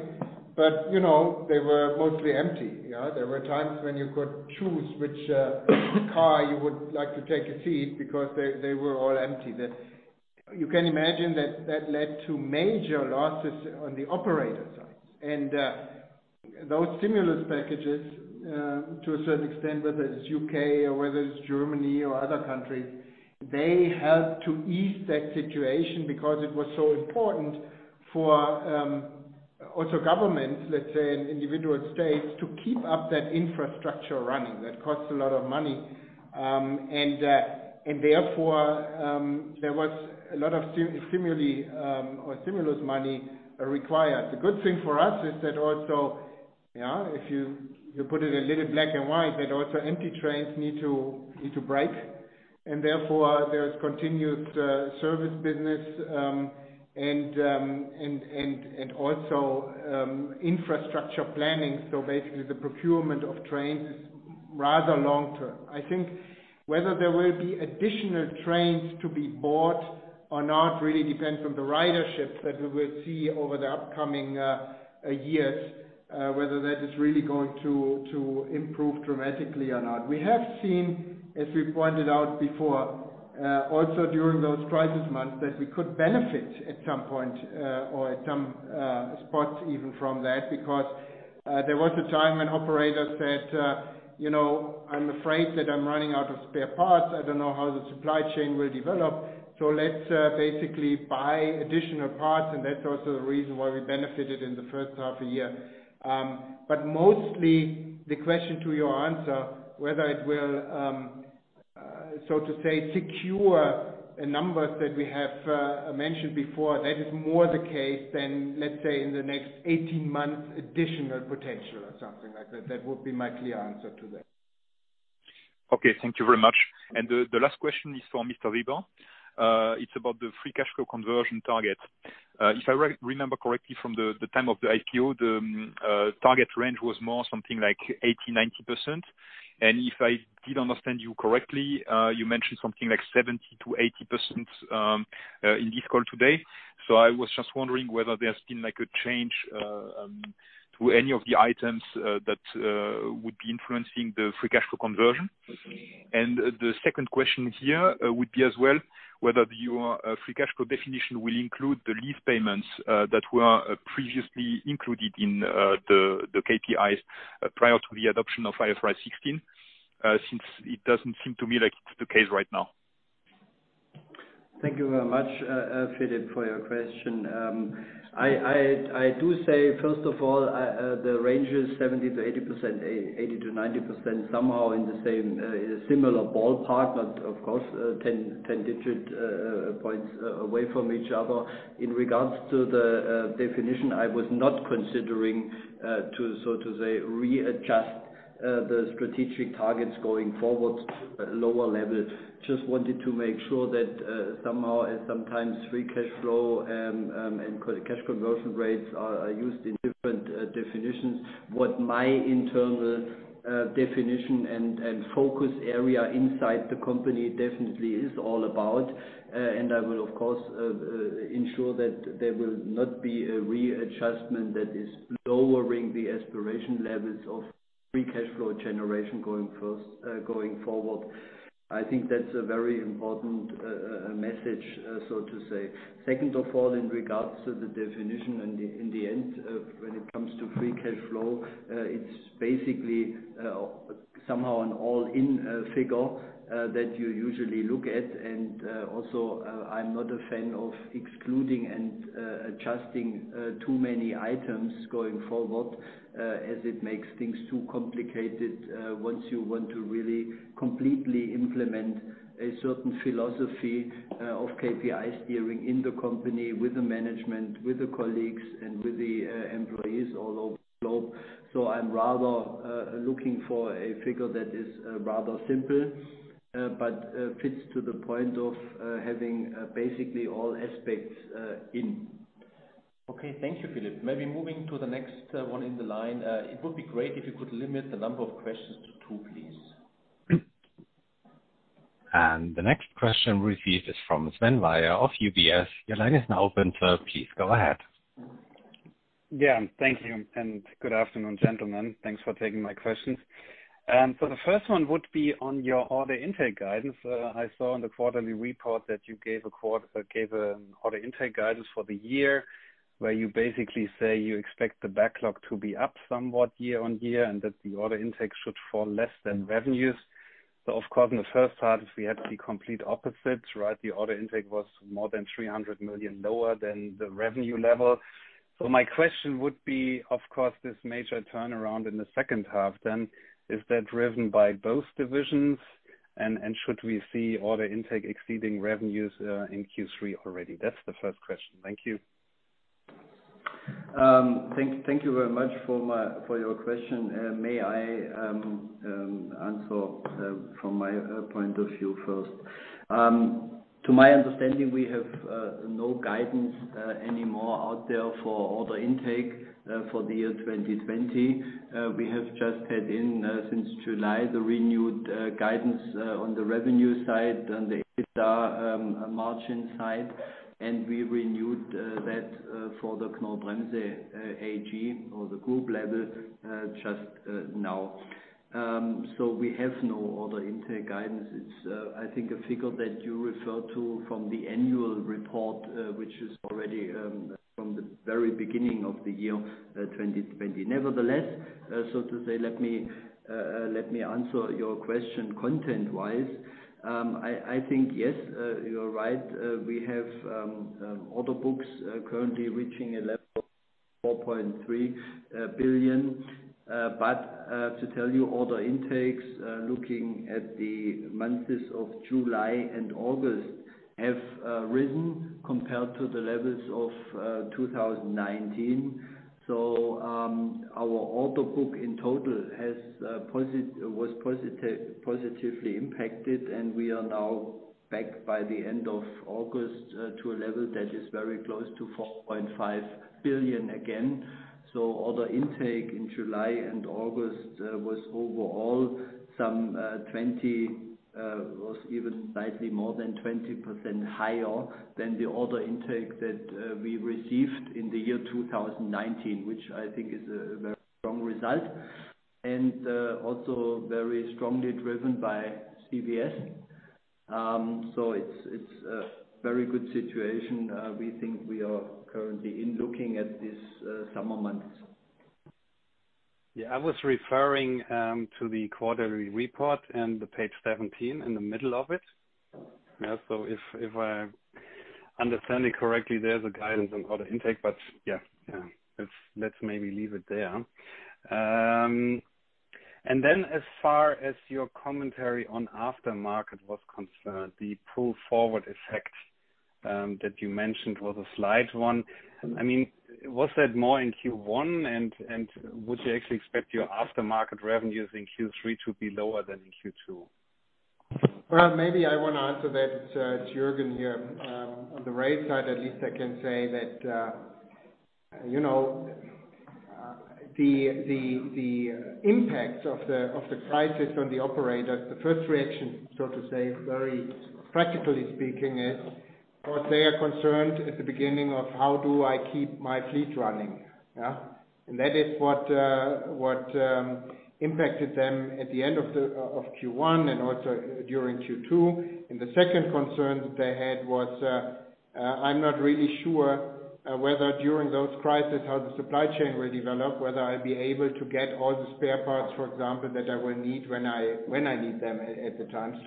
[SPEAKER 6] but they were mostly empty. There were times when you could choose which car you would like to take a seat because they were all empty. You can imagine that led to major losses on the operator side. Those stimulus packages, to a certain extent, whether it's U.K. or whether it's Germany or other countries, they helped to ease that situation because it was so important for also governments, let's say, in individual states, to keep up that infrastructure running. That costs a lot of money. Therefore, there was a lot of stimulus money required. The good thing for us is that also, if you put it a little black and white, that also empty trains need to brake, and therefore there is continued service business and also infrastructure planning. Basically, the procurement of trains is rather long-term. I think whether there will be additional trains to be bought or not really depends on the ridership that we will see over the upcoming years, whether that is really going to improve dramatically or not. We have seen, as we pointed out before, also during those crisis months, that we could benefit at some point or at some spots even from that, because there was a time when operators said, "I'm afraid that I'm running out of spare parts. I don't know how the supply chain will develop. So let's basically buy additional parts." That's also the reason why we benefited in the first half a year. Mostly the question to your answer, whether it will, so to say, secure a number that we have mentioned before, that is more the case than, let's say, in the next 18 months, additional potential or something like that. That would be my clear answer to that.
[SPEAKER 4] Thank you very much. The last question is for Mr. Weber. It is about the free cash flow conversion target. If I remember correctly from the time of the IPO, the target range was more something like 80%-90%. If I did understand you correctly, you mentioned something like 70%-80% in this call today. I was just wondering whether there's been a change to any of the items that would be influencing the free cash flow conversion. The second question here would be as well, whether your free cash flow definition will include the lease payments that were previously included in the KPIs prior to the adoption of IFRS 16, since it doesn't seem to me like it's the case right now.
[SPEAKER 3] Thank you very much, Philippe, for your question. I do say, first of all, the range is 70%-80%, 80%-90%, somehow in the same similar ballpark, but of course, 10 digit points away from each other. In regards to the definition, I was not considering to, so to say, readjust the strategic targets going forward lower level. Just wanted to make sure that somehow and sometimes free cash flow and cash conversion rates are used in different definitions. What my internal definition and focus area inside the company definitely is all about. I will, of course, ensure that there will not be a readjustment that is lowering the aspiration levels of free cash flow generation going forward. I think that's a very important message, so to say. Second of all, in regards to the definition in the end, when it comes to free cash flow, it's basically our-. Somehow an all-in figure that you usually look at. Also, I'm not a fan of excluding and adjusting too many items going forward, as it makes things too complicated once you want to really completely implement a certain philosophy of KPI steering in the company with the management, with the colleagues, and with the employees all over the globe. I'm rather looking for a figure that is rather simple, but fits to the point of having basically all aspects in.
[SPEAKER 2] Okay. Thank you, Philippe. Maybe moving to the next one in the line. It would be great if you could limit the number of questions to two, please.
[SPEAKER 1] The next question received is from Sven Weier of UBS. Your line is now open, Sir. Please go ahead.
[SPEAKER 7] Yeah. Thank you. Good afternoon, gentlemen. Thanks for taking my questions. The first one would be on your order intake guidance. I saw in the quarterly report that you gave an order intake guidance for the year, where you basically say you expect the backlog to be up somewhat year-on-year, and that the order intake should fall less than revenues. Of course, in the first half, we had the complete opposite, right? The order intake was more than 300 million lower than the revenue level. My question would be, of course, this major turnaround in the second half then, is that driven by both divisions? Should we see order intake exceeding revenues in Q3 already? That's the first question. Thank you.
[SPEAKER 3] Thank you very much for your question. May I answer from my point of view first? To my understanding, we have no guidance anymore out there for order intake for the year 2020. We have just had in, since July, the renewed guidance on the revenue side, on the EBITDA margin side, and we renewed that for the Knorr-Bremse AG or the group level just now. We have no order intake guidance. It's, I think, a figure that you refer to from the annual report which is already from the very beginning of the year 2020. Nevertheless, so to say, let me answer your question content-wise. I think, yes, you are right. We have order books currently reaching a level of 4.3 billion. To tell you, order intakes, looking at the months of July and August, have risen compared to the levels of 2019. Our order book in total was positively impacted, and we are now back by the end of August to a level that is very close to 4.5 billion again. Order intake in July and August was overall even slightly more than 20% higher than the order intake that we received in the year 2019, which I think is a very strong result, and also very strongly driven by CVS. It's a very good situation we think we are currently in, looking at these summer months.
[SPEAKER 7] Yeah. I was referring to the quarterly report and the page 17 in the middle of it. If I understand it correctly, there's a guidance on order intake, but yeah. Let's maybe leave it there. As far as your commentary on aftermarket was concerned, the pull forward effect that you mentioned was a slight one. Was that more in Q1, and would you actually expect your aftermarket revenues in Q3 to be lower than in Q2?
[SPEAKER 6] Well, maybe I want to answer that, it's Jürgen here. On the rail side, at least I can say that the impact of the crisis on the operators, the first reaction, so to say, very practically speaking, is, of course, they are concerned at the beginning of how do I keep my fleet running. Yeah? That is what impacted them at the end of Q1 and also during Q2. The second concern that they had was, I'm not really sure whether during those crises, how the supply chain will develop, whether I'll be able to get all the spare parts, for example, that I will need when I need them at the time.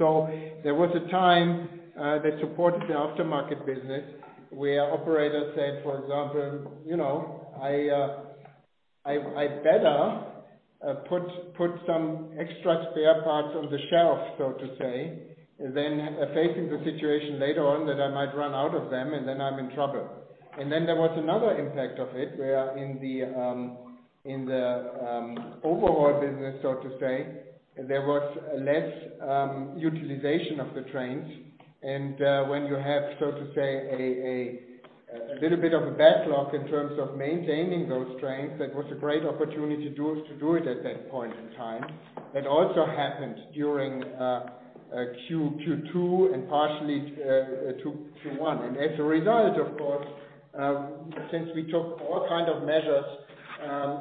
[SPEAKER 6] There was a time that supported the aftermarket business where operators said, for example, I better put some extra spare parts on the shelf, so to say, than facing the situation later on that I might run out of them and then I'm in trouble. There was another impact of it, where in the overall business, so to say, there was less utilization of the trains. When you have, so to say, a little bit of a backlog in terms of maintaining those trains, that was a great opportunity to do it at that point in time. That also happened during- Q2 and partially Q1. As a result, of course, since we took all kind of measures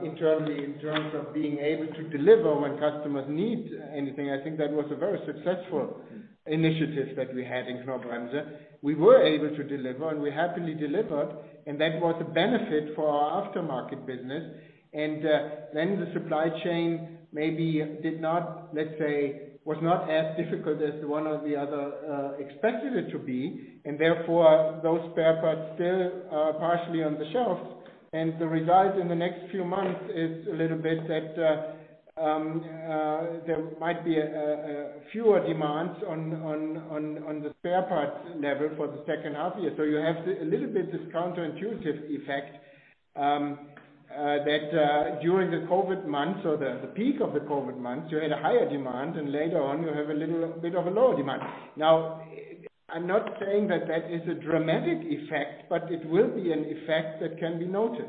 [SPEAKER 6] internally in terms of being able to deliver when customers need anything, I think that was a very successful initiative that we had in Knorr-Bremse. We were able to deliver, and we happily delivered, and that was a benefit for our aftermarket business. Then the supply chain, maybe did not, let's say, was not as difficult as one or the other expected it to be, and therefore, those spare parts still are partially on the shelves. The result in the next few months is a little bit that there might be fewer demands on the spare parts level for the second half year. You have a little bit this counterintuitive effect that during the COVID months or the peak of the COVID months, you had a higher demand, and later on you have a little bit of a lower demand. I'm not saying that that is a dramatic effect, but it will be an effect that can be noticed.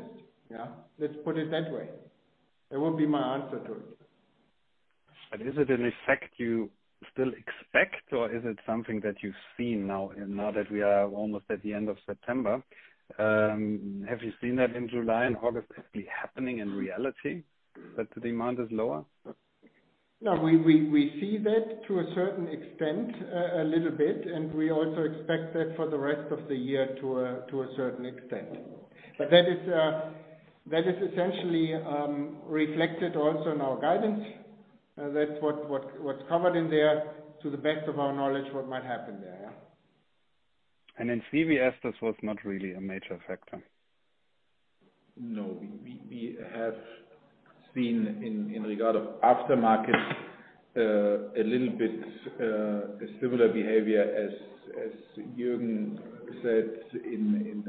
[SPEAKER 6] Let's put it that way. That would be my answer to it.
[SPEAKER 7] Is it an effect you still expect, or is it something that you've seen now that we are almost at the end of September? Have you seen that in July and August actually happening in reality, that the demand is lower?
[SPEAKER 6] No, we see that to a certain extent, a little bit, and we also expect that for the rest of the year to a certain extent. That is essentially reflected also in our guidance. That's what's covered in there to the best of our knowledge, what might happen there.
[SPEAKER 7] In CVS, this was not really a major factor.
[SPEAKER 5] No, we have seen in regard of aftermarket, a little bit, a similar behavior as Jürgen said in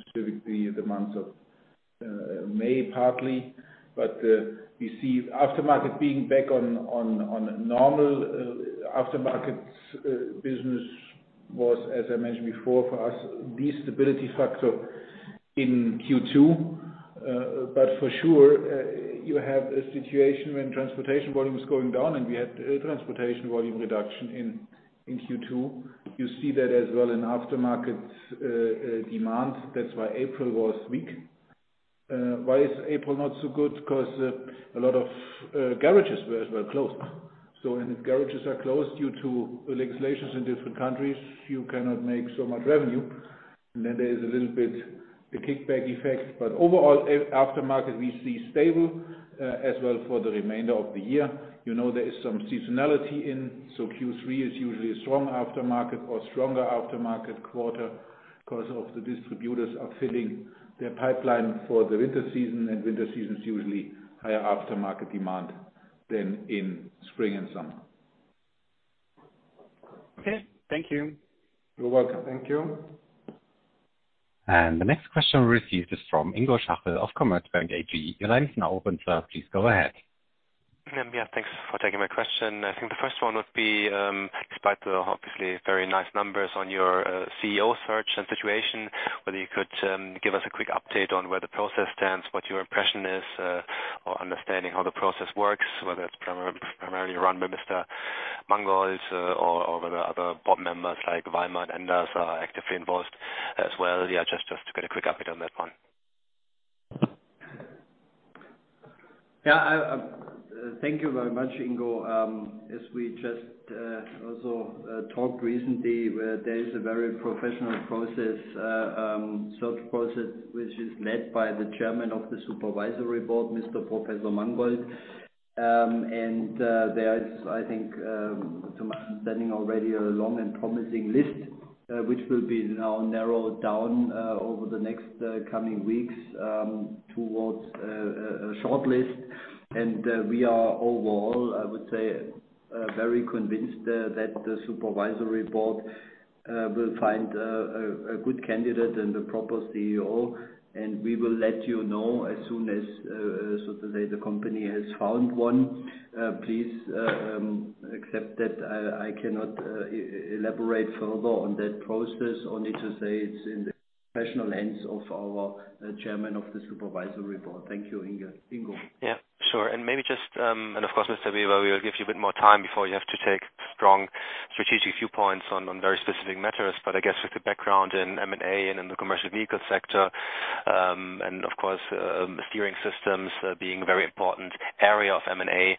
[SPEAKER 5] specifically the months of May, partly. We see aftermarket being back on normal. Aftermarket business was, as I mentioned before, for us, the stability factor in Q2. For sure, you have a situation when transportation volume is going down, and we had a transportation volume reduction in Q2. You see that as well in aftermarket demand. That's why April was weak. Why is April not so good? A lot of garages were closed. When garages are closed due to legislations in different countries, you cannot make so much revenue. There is a little bit a kickback effect. Overall, aftermarket we see stable as well for the remainder of the year. There is some seasonality in, Q3 is usually a strong aftermarket or stronger aftermarket quarter because of the distributors are filling their pipeline for the winter season, winter season is usually higher aftermarket demand than in spring and summer.
[SPEAKER 7] Okay. Thank you.
[SPEAKER 5] You're welcome. Thank you.
[SPEAKER 1] The next question we received is from Ingo Schachel of Commerzbank AG. Your line is now open, Sir. Please go ahead.
[SPEAKER 8] Thanks for taking my question. I think the first one would be, despite the obviously very nice numbers on your CEO search and situation, whether you could give us a quick update on where the process stands, what your impression is, or understanding how the process works, whether it's primarily run by Mr. Mangold or whether other board members like Weimer and others are actively involved as well. Just to get a quick update on that one.
[SPEAKER 3] Yeah. Thank you very much, Ingo. As we just also talked recently, there is a very professional process, search process, which is led by the Chairman of the Supervisory Board, Mr. Professor Mangold. There is, I think, to my understanding already a long and promising list, which will be now narrowed down over the next coming weeks towards a shortlist. We are overall, I would say, very convinced that the Supervisory Board will find a good candidate and a proper CEO, and we will let you know as soon as, so to say, the company has found one. Please accept that I cannot elaborate further on that process, only to say it's in the professional hands of our Chairman of the Supervisory Board. Thank you, Ingo.
[SPEAKER 8] Yeah, sure. Of course, Mr. Weber, we'll give you a bit more time before you have to take strong strategic viewpoints on very specific matters. I guess with the background in M&A and in the commercial vehicle sector, and of course, steering systems being a very important area of M&A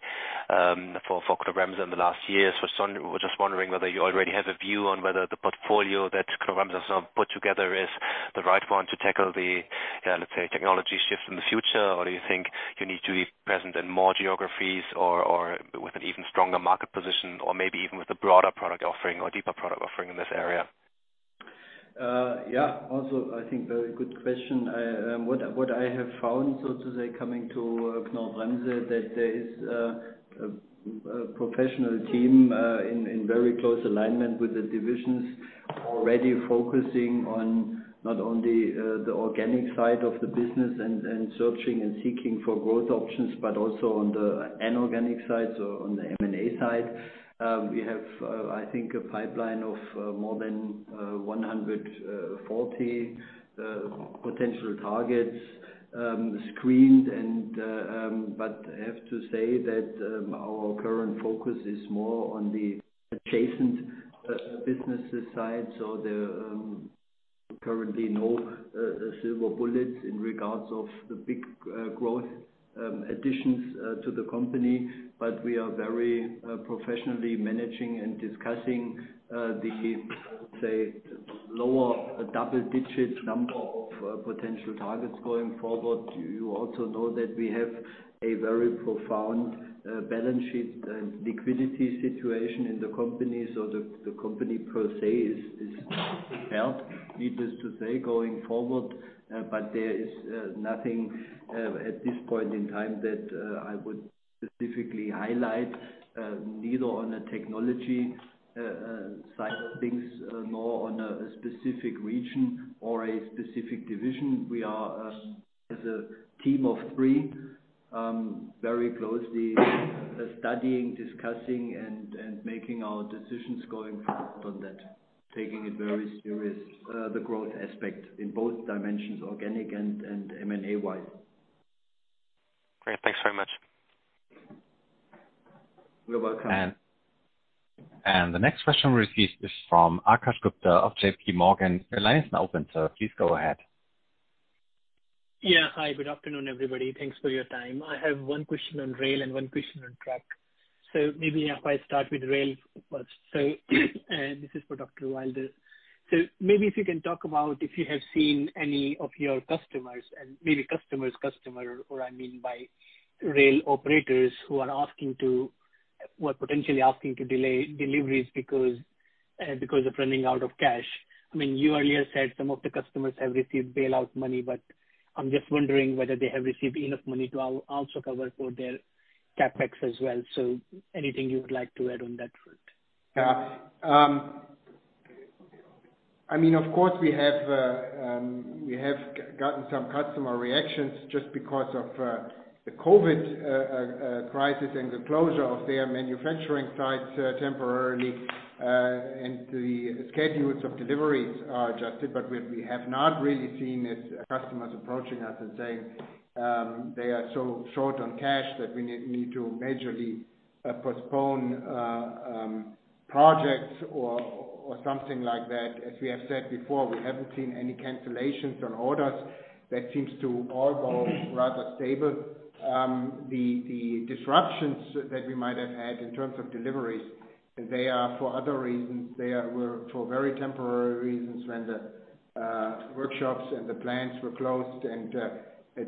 [SPEAKER 8] for Knorr-Bremse in the last years. I was just wondering whether you already have a view on whether the portfolio that Knorr-Bremse has now put together is the right one to tackle the, let's say, technology shift in the future, or do you think you need to be present in more geographies or with an even stronger market position, or maybe even with a broader product offering or deeper product offering in this area?
[SPEAKER 3] Yeah. I think very good question. What I have found, so to say, coming to Knorr-Bremse, that there is a professional team in very close alignment with the divisions already focusing on not only the organic side of the business and searching and seeking for growth options, but also on the inorganic side, so on the M&A side. We have, I think, a pipeline of more than 140 potential targets screened. I have to say that our current focus is more on the adjacent businesses side, so the Currently no silver bullets in regards of the big growth additions to the company. We are very professionally managing and discussing the, say, lower double-digit number of potential targets going forward. You also know that we have a very profound balance sheet and liquidity situation in the company, so the company per se is well, needless to say, going forward. There is nothing at this point in time that I would specifically highlight, neither on the technology side of things nor on a specific region or a specific division. We are, as a team of three, very closely studying, discussing and making our decisions going forward on that, taking it very serious, the growth aspect in both dimensions, organic and M&A-wide.
[SPEAKER 8] Great. Thanks very much.
[SPEAKER 3] You're welcome.
[SPEAKER 1] The next question received is from Akash Gupta of JPMorgan. Your line is now open, Sir. Please go ahead.
[SPEAKER 9] Yeah. Hi, good afternoon, everybody. Thanks for your time. I have one question on rail and one question on truck. Maybe if I start with rail first. This is for Dr. Wilder. Maybe if you can talk about if you have seen any of your customers, and maybe customer's customer, or I mean by rail operators who are potentially asking to delay deliveries because of running out of cash. You earlier said some of the customers have received bailout money, I'm just wondering whether they have received enough money to also cover for their CapEx as well. Anything you would like to add on that front?
[SPEAKER 6] Of course, we have gotten some customer reactions just because of the COVID crisis and the closure of their manufacturing sites temporarily, and the schedules of deliveries are adjusted. We have not really seen customers approaching us and saying they are so short on cash that we need to majorly postpone projects or something like that. As we have said before, we haven't seen any cancellations on orders. That seems to all go rather stable. The disruptions that we might have had in terms of deliveries, they are for other reasons. They were for very temporary reasons when the workshops and the plants were closed and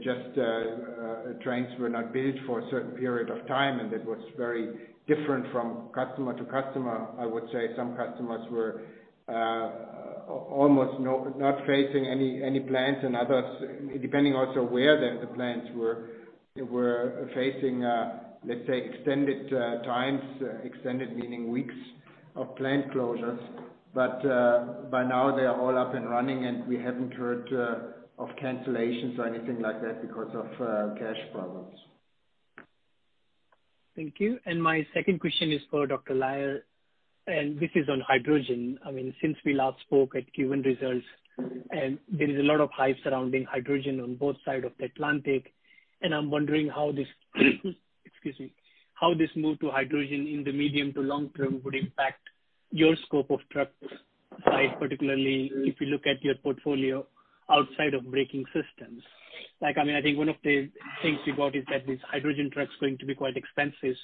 [SPEAKER 6] just trains were not built for a certain period of time, and it was very different from customer to customer, I would say. Some customers were almost not facing any plants and others, depending also where the plants were facing, let's say, extended times. Extended meaning weeks of plant closures. By now they are all up and running, and we haven't heard of cancellations or anything like that because of cash problems.
[SPEAKER 9] Thank you. My second question is for Dr. Laier, and this is on hydrogen. Since we last spoke at Q1 results, there is a lot of hype surrounding hydrogen on both sides of the Atlantic, I'm wondering how this, excuse me, how this move to hydrogen in the medium to long term would impact your scope of trucks size, particularly if you look at your portfolio outside of braking systems. I think one of the things we got is that these hydrogen trucks are going to be quite expensive.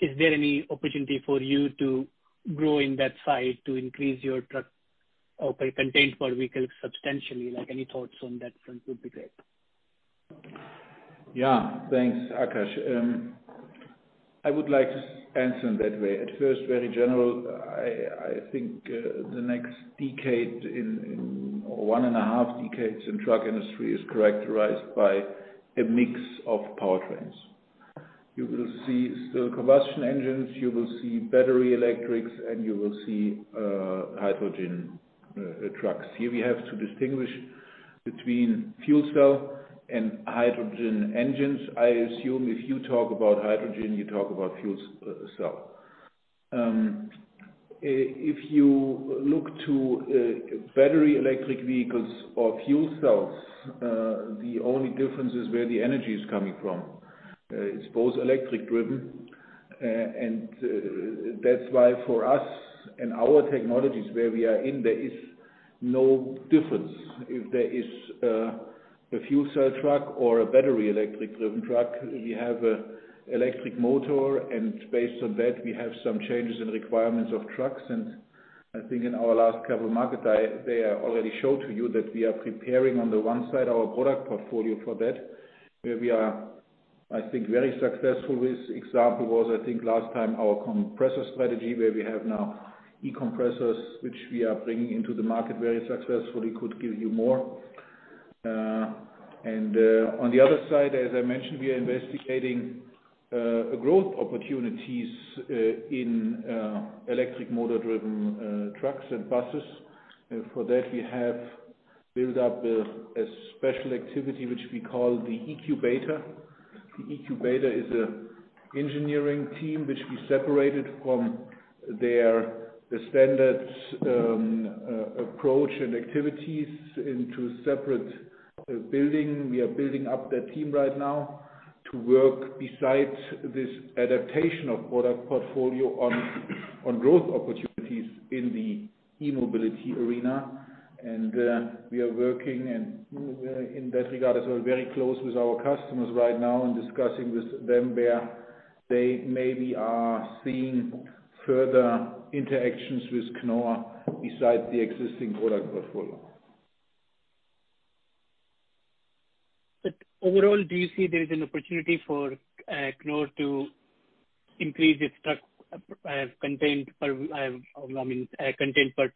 [SPEAKER 9] Is there any opportunity for you to grow in that size to increase your truck or content per vehicle substantially? Any thoughts on that front would be great.
[SPEAKER 5] Thanks, Akash. I would like to answer in that way. At first, very general, I think the next decade or one and a half decades in truck industry is characterized by a mix of powertrains. You will see still combustion engines, you will see battery electrics, and you will see hydrogen trucks. Here we have to distinguish between fuel cell and hydrogen engines. I assume if you talk about hydrogen, you talk about fuel cell. If you look to battery electric vehicles or fuel cells, the only difference is where the energy is coming from. It's both electric driven. That's why for us and our technologies, where we are in, there is no difference if there is a fuel cell truck or a battery electric driven truck. We have a electric motor. Based on that, we have some changes in requirements of trucks. I think in our last Capital Market Day, I already showed to you that we are preparing on the one side our product portfolio for that, where we are, I think, very successful with. Example was, I think, last time our compressor strategy, where we have now e-compressors, which we are bringing into the market very successfully. Could give you more. On the other side, as I mentioned, we are investigating growth opportunities in electric motor driven trucks and buses. For that we have built up a special activity, which we call the eCUBATOR. The eCUBATOR is an engineering team which we separated from their standard approach and activities into separate building. We are building up that team right now. To work beside this adaptation of product portfolio on growth opportunities in the e-mobility arena. We are working in that regard as well, very close with our customers right now and discussing with them where they maybe are seeing further interactions with Knorr besides the existing product portfolio.
[SPEAKER 9] Overall, do you see there is an opportunity for Knorr to increase its content per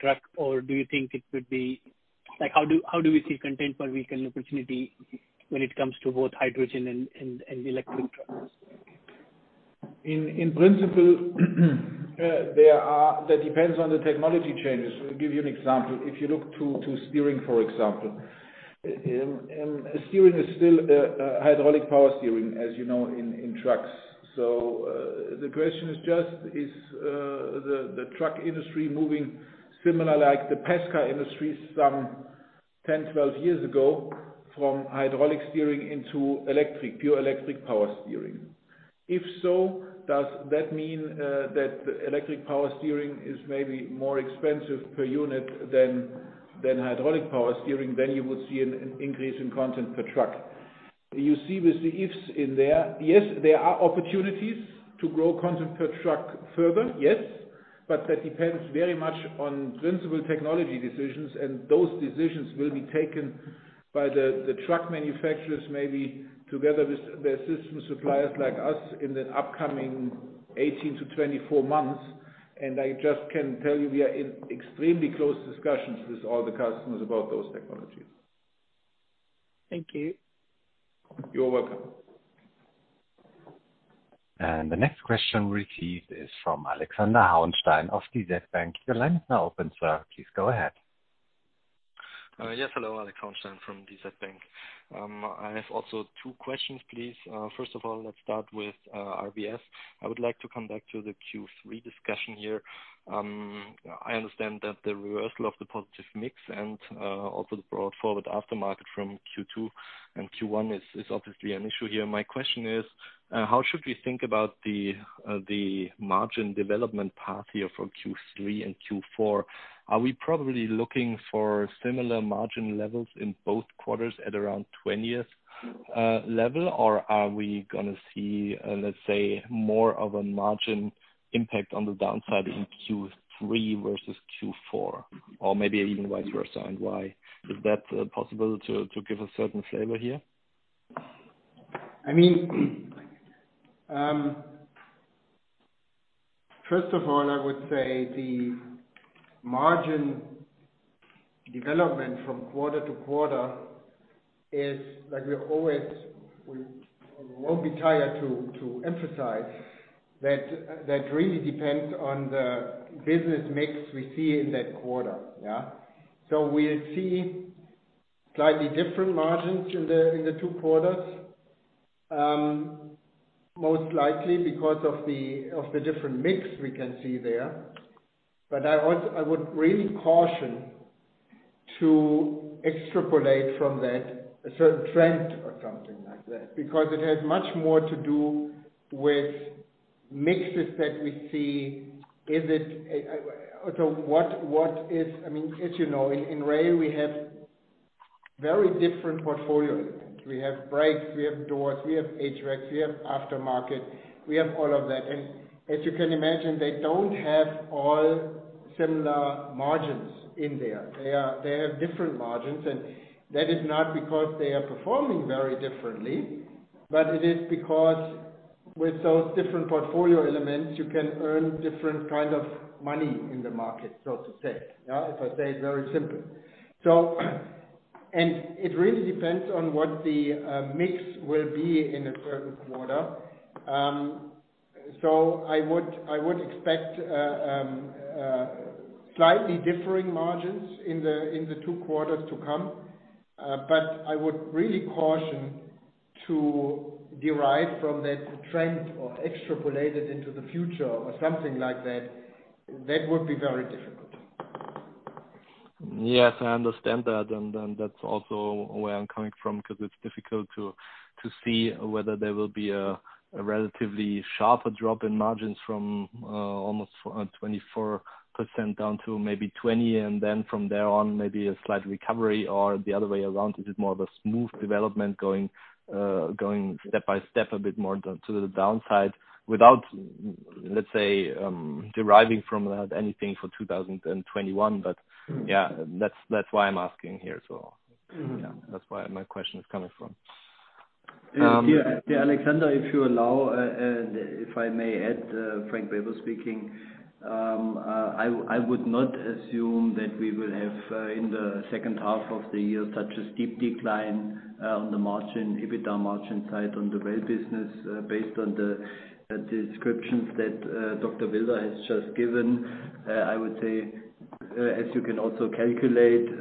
[SPEAKER 9] truck? How do we see content per week opportunity when it comes to both hydrogen and electric trucks?
[SPEAKER 5] In principle, that depends on the technology changes. Let me give you an example. If you look to steering, for example. Steering is still hydraulic power steering, as you know, in trucks. The question is just, is the truck industry moving similar to the passenger car industry some 10, 12 years ago, from hydraulic steering into pure electric power steering? If so, does that mean that electric power steering is maybe more expensive per unit than hydraulic power steering? You would see an increase in content per truck. You see with the ifs in there. Yes, there are opportunities to grow content per truck further. Yes. That depends very much on principle technology decisions, and those decisions will be taken by the truck manufacturers, maybe together with their system suppliers like us, in the upcoming 18-24 months. I just can tell you, we are in extremely close discussions with all the customers about those technologies.
[SPEAKER 9] Thank you.
[SPEAKER 5] You're welcome.
[SPEAKER 1] The next question received is from Alexander Hauenstein of DZ Bank. Your line is now open, Sir. Please go ahead.
[SPEAKER 10] Yes. Hello, Alex Hauenstein from DZ BANK. I have also two questions, please. Let's start with RVS. I would like to come back to the Q3 discussion here. I understand that the reversal of the positive mix and also the brought forward aftermarket from Q2 and Q1 is obviously an issue here. My question is, how should we think about the margin development path here from Q3 and Q4? Are we probably looking for similar margin levels in both quarters at around 20th level, or are we going to see, let's say, more of a margin impact on the downside in Q3 versus Q4? Maybe even vice versa, and why? Is that possible to give a certain flavor here?
[SPEAKER 6] First of all, I would say the margin development from quarter to quarter is like we always won't be tired to emphasize that really depends on the business mix we see in that quarter. We'll see slightly different margins in the two quarters. Most likely because of the different mix we can see there. I would really caution to extrapolate from that a certain trend or something like that, because it has much more to do with mixes that we see. As you know, in Rail we have very different portfolio elements. We have brakes, we have doors, we have HVAC, we have aftermarket, we have all of that. As you can imagine, they don't have all similar margins in there. They have different margins, that is not because they are performing very differently, but it is because with those different portfolio elements, you can earn different kind of money in the market, so to say. If I say it very simply. It really depends on what the mix will be in a certain quarter. I would expect slightly differing margins in the two quarters to come. I would really caution to derive from that trend or extrapolate it into the future or something like that. That would be very difficult.
[SPEAKER 10] Yes, I understand that. That's also where I'm coming from because it's difficult to see whether there will be a relatively sharper drop in margins from almost 24% to 20%, and then from there on, maybe a slight recovery or the other way around. Is it more of a smooth development going step by step a bit more to the downside without, let's say, deriving from that anything for 2021? Yeah, that's why I'm asking here as well. That's where my question is coming from.
[SPEAKER 3] Yeah, Alexander, if you allow, and if I may add, Frank Weber speaking. I would not assume that we will have in the second half of the year such a steep decline on the EBITDA margin side on the Rail business based on the descriptions that Dr. Wilder has just given. I would say, as you can also calculate,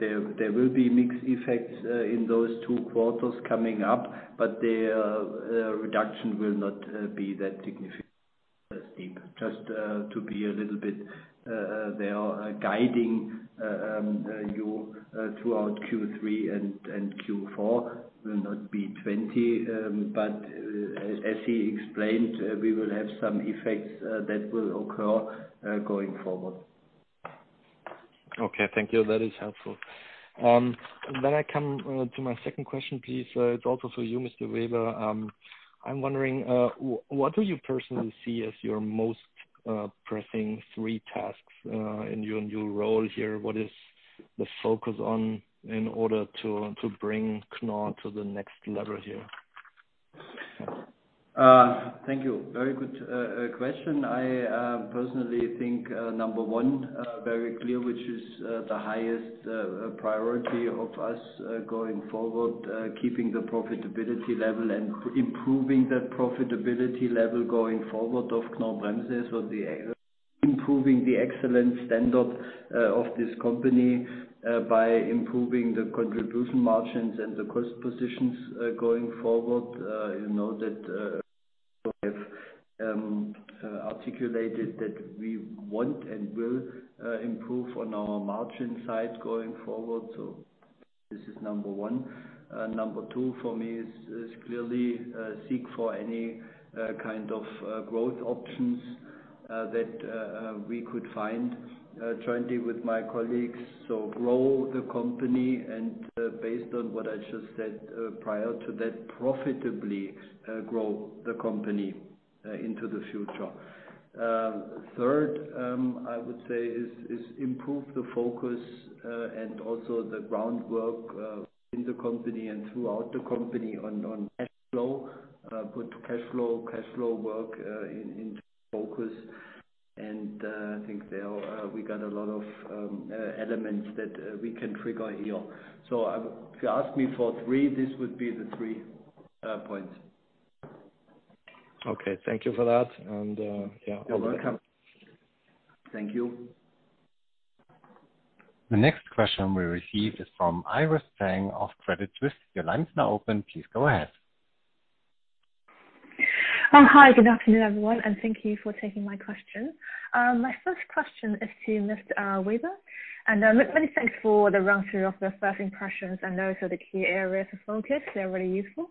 [SPEAKER 3] there will be mixed effects in those two quarters coming up, but the reduction will not be that significant. Just to be a little bit there guiding you throughout Q3 and Q4 will not be 2020, but as he explained, we will have some effects that will occur going forward.
[SPEAKER 10] Okay, thank you. That is helpful. I come to my second question, please. It is also for you, Mr. Weber. I am wondering, what do you personally see as your most pressing three tasks in your new role here? What is the focus on in order to bring Knorr to the next level here?
[SPEAKER 3] Thank you. Very good question. I personally think, number one, very clear, which is the highest priority of us going forward, keeping the profitability level and improving that profitability level going forward of Knorr-Bremse. Improving the excellent standard of this company by improving the contribution margins and the cost positions going forward. You know that we have articulated that we want and will improve on our margin side going forward. This is number one. Number two for me is clearly seek for any kind of growth options that we could find jointly with my colleagues. Grow the company and based on what I just said prior to that, profitably grow the company into the future. Third, I would say, is improve the focus and also the groundwork in the company and throughout the company on cash flow. Put cash flow work into focus and I think there we got a lot of elements that we can trigger here. If you ask me for three, this would be the three points.
[SPEAKER 10] Okay. Thank you for that.
[SPEAKER 3] You're welcome. Thank you.
[SPEAKER 1] The next question we receive is from Iris Zheng of Credit Suisse. Your line's now open. Please go ahead.
[SPEAKER 11] Hi, good afternoon, everyone. Thank you for taking my question. My first question is to Mr. Weber, and many thanks for the run-through of the first impressions and those are the key areas of focus. They're really useful.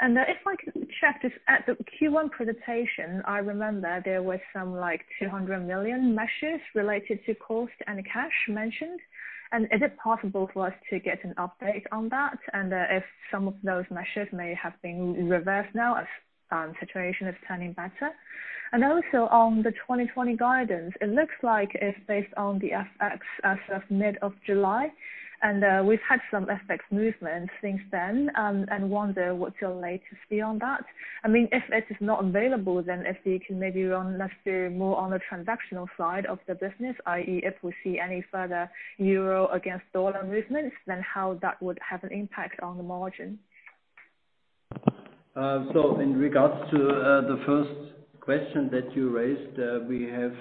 [SPEAKER 11] If I could check, just at the Q1 presentation, I remember there were some 200 million measures related to cost and cash mentioned. Is it possible for us to get an update on that? If some of those measures may have been reversed now as situation is turning better? Also on the 2020 guidance, it looks like it's based on the FX as of mid of July, and we've had some FX movements since then, and wonder what's your latest view on that. If it is not available, then if you can maybe run us through more on the transactional side of the business, i.e., if we see any further Euro against Dollar movements, then how that would have an impact on the margin.
[SPEAKER 3] In regards to the first question that you raised, the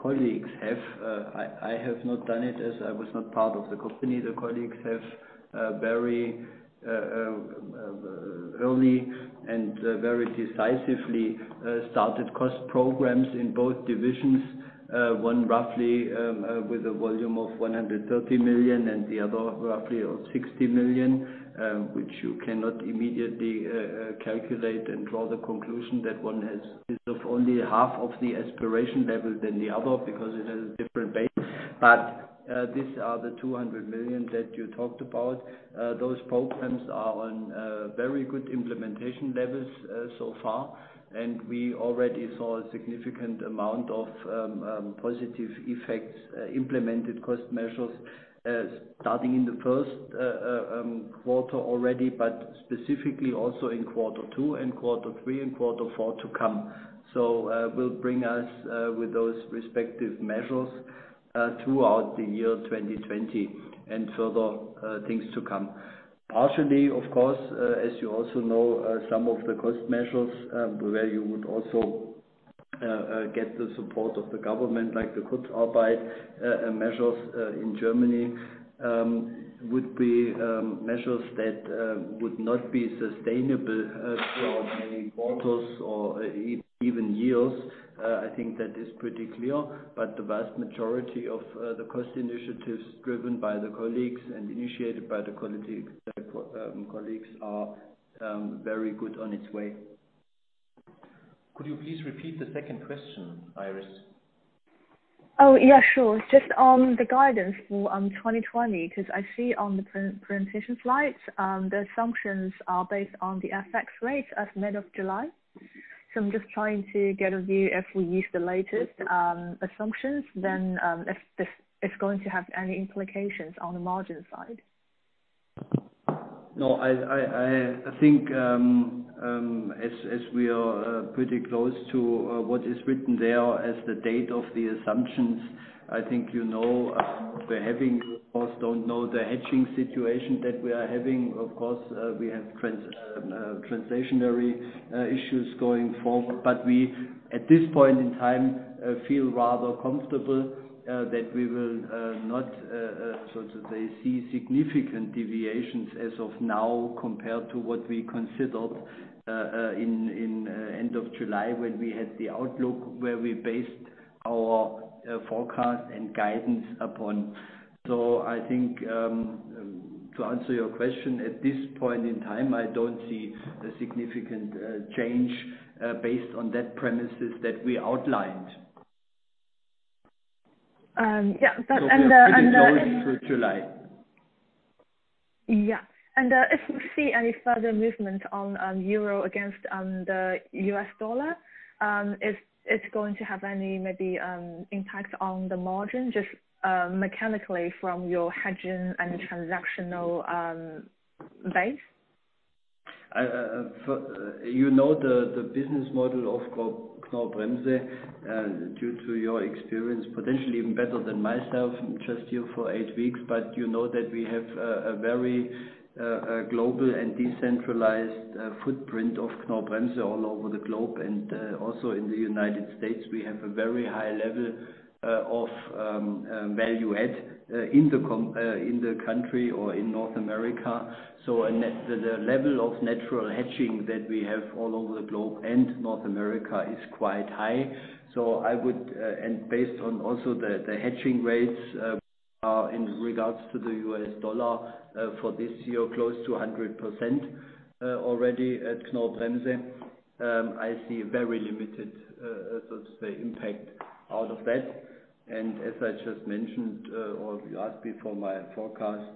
[SPEAKER 3] colleagues have, I have not done it as I was not part of the company. The colleagues have very early and very decisively started cost programs in both divisions. One roughly with a volume of 130 million and the other roughly of 60 million, which you cannot immediately calculate and draw the conclusion that one is of only half of the aspiration level than the other because it has a different base. These are the 200 million that you talked about. Those programs are on very good implementation levels so far, and we already saw a significant amount of positive effects, implemented cost measures starting in the first quarter already, but specifically also in quarter two and quarter three and quarter four to come. Will bring us with those respective measures throughout the year 2020 and further things to come. Partially, of course, as you also know, some of the cost measures where you would also get the support of the government, like the Kurzarbeit measures in Germany, would be measures that would not be sustainable throughout many quarters or even years. I think that is pretty clear. The vast majority of the cost initiatives driven by the colleagues and initiated by the colleagues are very good on its way.
[SPEAKER 2] Could you please repeat the second question, Iris?
[SPEAKER 11] Oh, yeah, sure. Just on the guidance for 2020, because I see on the presentation slides, the assumptions are based on the FX rates as mid of July. I'm just trying to get a view if we use the latest assumptions, then if it's going to have any implications on the margin side.
[SPEAKER 3] I think as we are pretty close to what is written there as the date of the assumptions, I think you know, we, of course, don't know the hedging situation that we are having. Of course, we have translational issues going forward, but we, at this point in time, feel rather comfortable that we will not, so to say, see significant deviations as of now compared to what we considered in end of July when we had the outlook where we based our forecast and guidance upon. I think, to answer your question, at this point in time, I don't see a significant change based on that premises that we outlined.
[SPEAKER 11] Yeah. But,
[SPEAKER 3] We are pretty closed through July.
[SPEAKER 11] Yeah. If we see any further movement on euro against the U.S. dollar, is it going to have any, maybe, impact on the margin, just mechanically from your hedging and transactional base?
[SPEAKER 3] You know the business model of Knorr-Bremse due to your experience, potentially even better than myself, just here for eight weeks. You know that we have a very global and decentralized footprint of Knorr-Bremse all over the globe. Also in the United States, we have a very high level of value add in the country or in North America. The level of natural hedging that we have all over the globe and North America is quite high. Based on also the hedging rates, in regard to the U.S. dollar, for this year, close to 100% already at Knorr-Bremse. I see very limited impact out of that. As I just mentioned, or you asked before my forecast,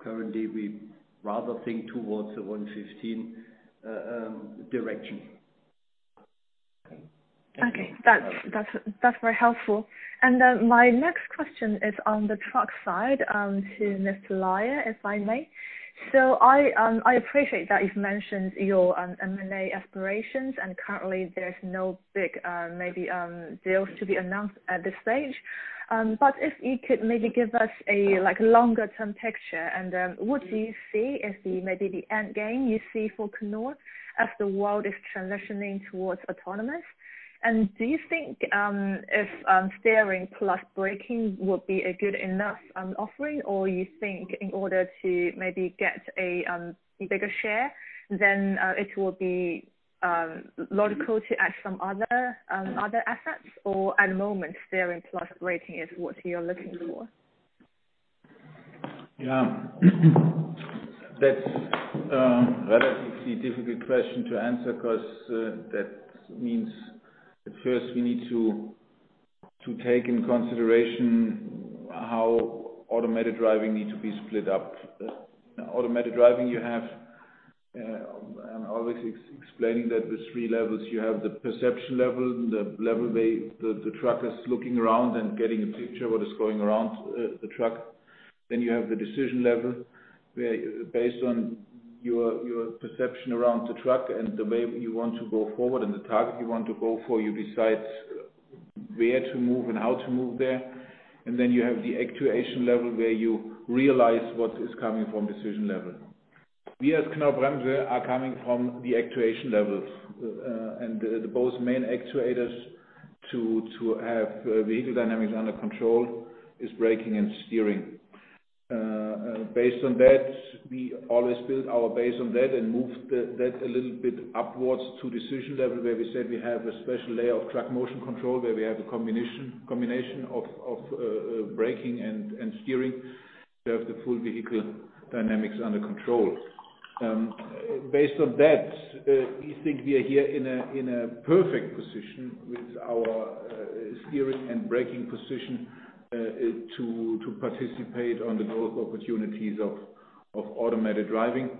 [SPEAKER 3] currently we rather think towards the 1.15 directions.
[SPEAKER 11] Okay. That's very helpful. My next question is on the truck side to Mr. Laier, if I may. I appreciate that you've mentioned your M&A aspirations, and currently there's no big deals to be announced at this stage. If you could maybe give us a longer-term picture, and what do you see as maybe the end game you see for Knorr-Bremse as the world is transitioning towards autonomous? Do you think if steering plus braking would be a good enough offering, or you think in order to maybe get a bigger share, then it will be logical to add some other assets? At the moment, steering plus braking is what you're looking for?
[SPEAKER 5] Yeah. That's a relatively difficult question to answer because that means at first we need to take in consideration how automated driving need to be split up. Automated driving, you have, I'm always explaining that with three levels. You have the perception level, the level the truck is looking around and getting a picture of what is going around the truck. You have the decision level, where based on your perception around the truck and the way you want to go forward and the target you want to go for, you decide where to move and how to move there. You have the actuation level, where you realize what is coming from decision level. We as Knorr-Bremse are coming from the actuation levels. Both main actuators to have vehicle dynamics under control is braking and steering. Based on that, we always build our base on that and move that a little bit upwards to decision level, where we said we have a special layer of truck motion control, where we have a combination of braking and steering. We have the full vehicle dynamics under control. Based on that, we think we are here in a perfect position with our steering and braking position to participate on the growth opportunities of automated driving.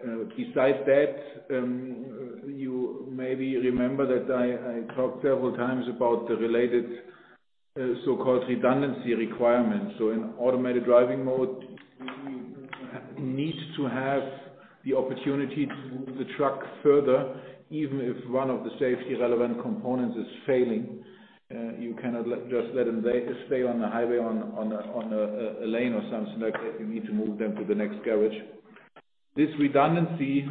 [SPEAKER 5] Besides that, you maybe remember that I talked several times about the related so-called redundancy requirements. So in automated driving mode, we need to have the opportunity to move the truck further, even if one of the safety relevant components is failing. You cannot just let them stay on the highway on a lane or something like that. You need to move them to the next garage. This redundancy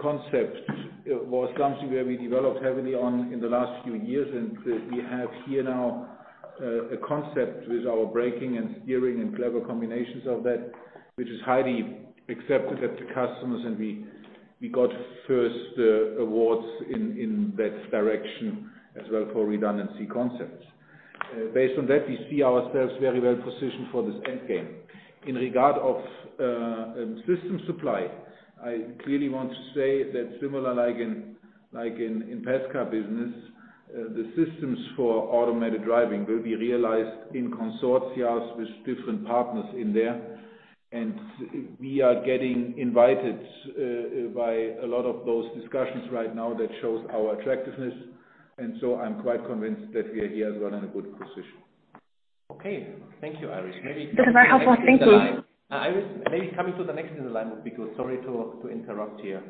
[SPEAKER 5] concept was something where we developed heavily on in the last few years, and we have here now a concept with our braking and steering and clever combinations of that, which is highly accepted at the customers. We got first awards in that direction as well for redundancy concepts. Based on that, we see ourselves very well-positioned for this end game. In regard of system supply, I clearly want to say that similar like in [P&L business], the systems for automated driving will be realized in consortia with different partners in there. We are getting invited by a lot of those discussions right now that shows our attractiveness. I'm quite convinced that we are here as well in a good position.
[SPEAKER 2] Okay. Thank you, Iris.
[SPEAKER 11] This is very helpful. Thank you.
[SPEAKER 2] Iris, maybe coming to the next in the line would be good. Sorry to interrupt here.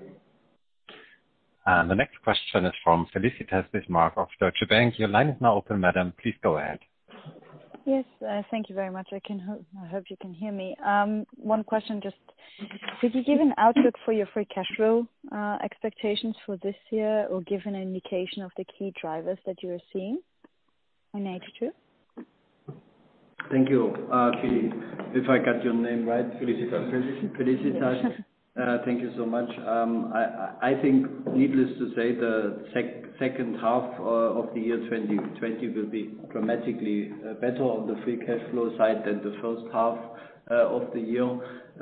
[SPEAKER 1] The next question is from Felicitas von-Bismarck of Deutsche Bank. Your line is now open, madam. Please go ahead.
[SPEAKER 12] Yes. Thank you very much. I hope you can hear me. One question, just could you give an outlook for your free cash flow expectations for this year, or give an indication of the key drivers that you are seeing in H2?
[SPEAKER 3] Thank you, Felicitas, if I got your name right.
[SPEAKER 12] Felicitas.
[SPEAKER 3] Felicitas. Thank you so much. I think needless to say, the second half of the year 2020 will be dramatically better on the free cash flow side than the first half of the year.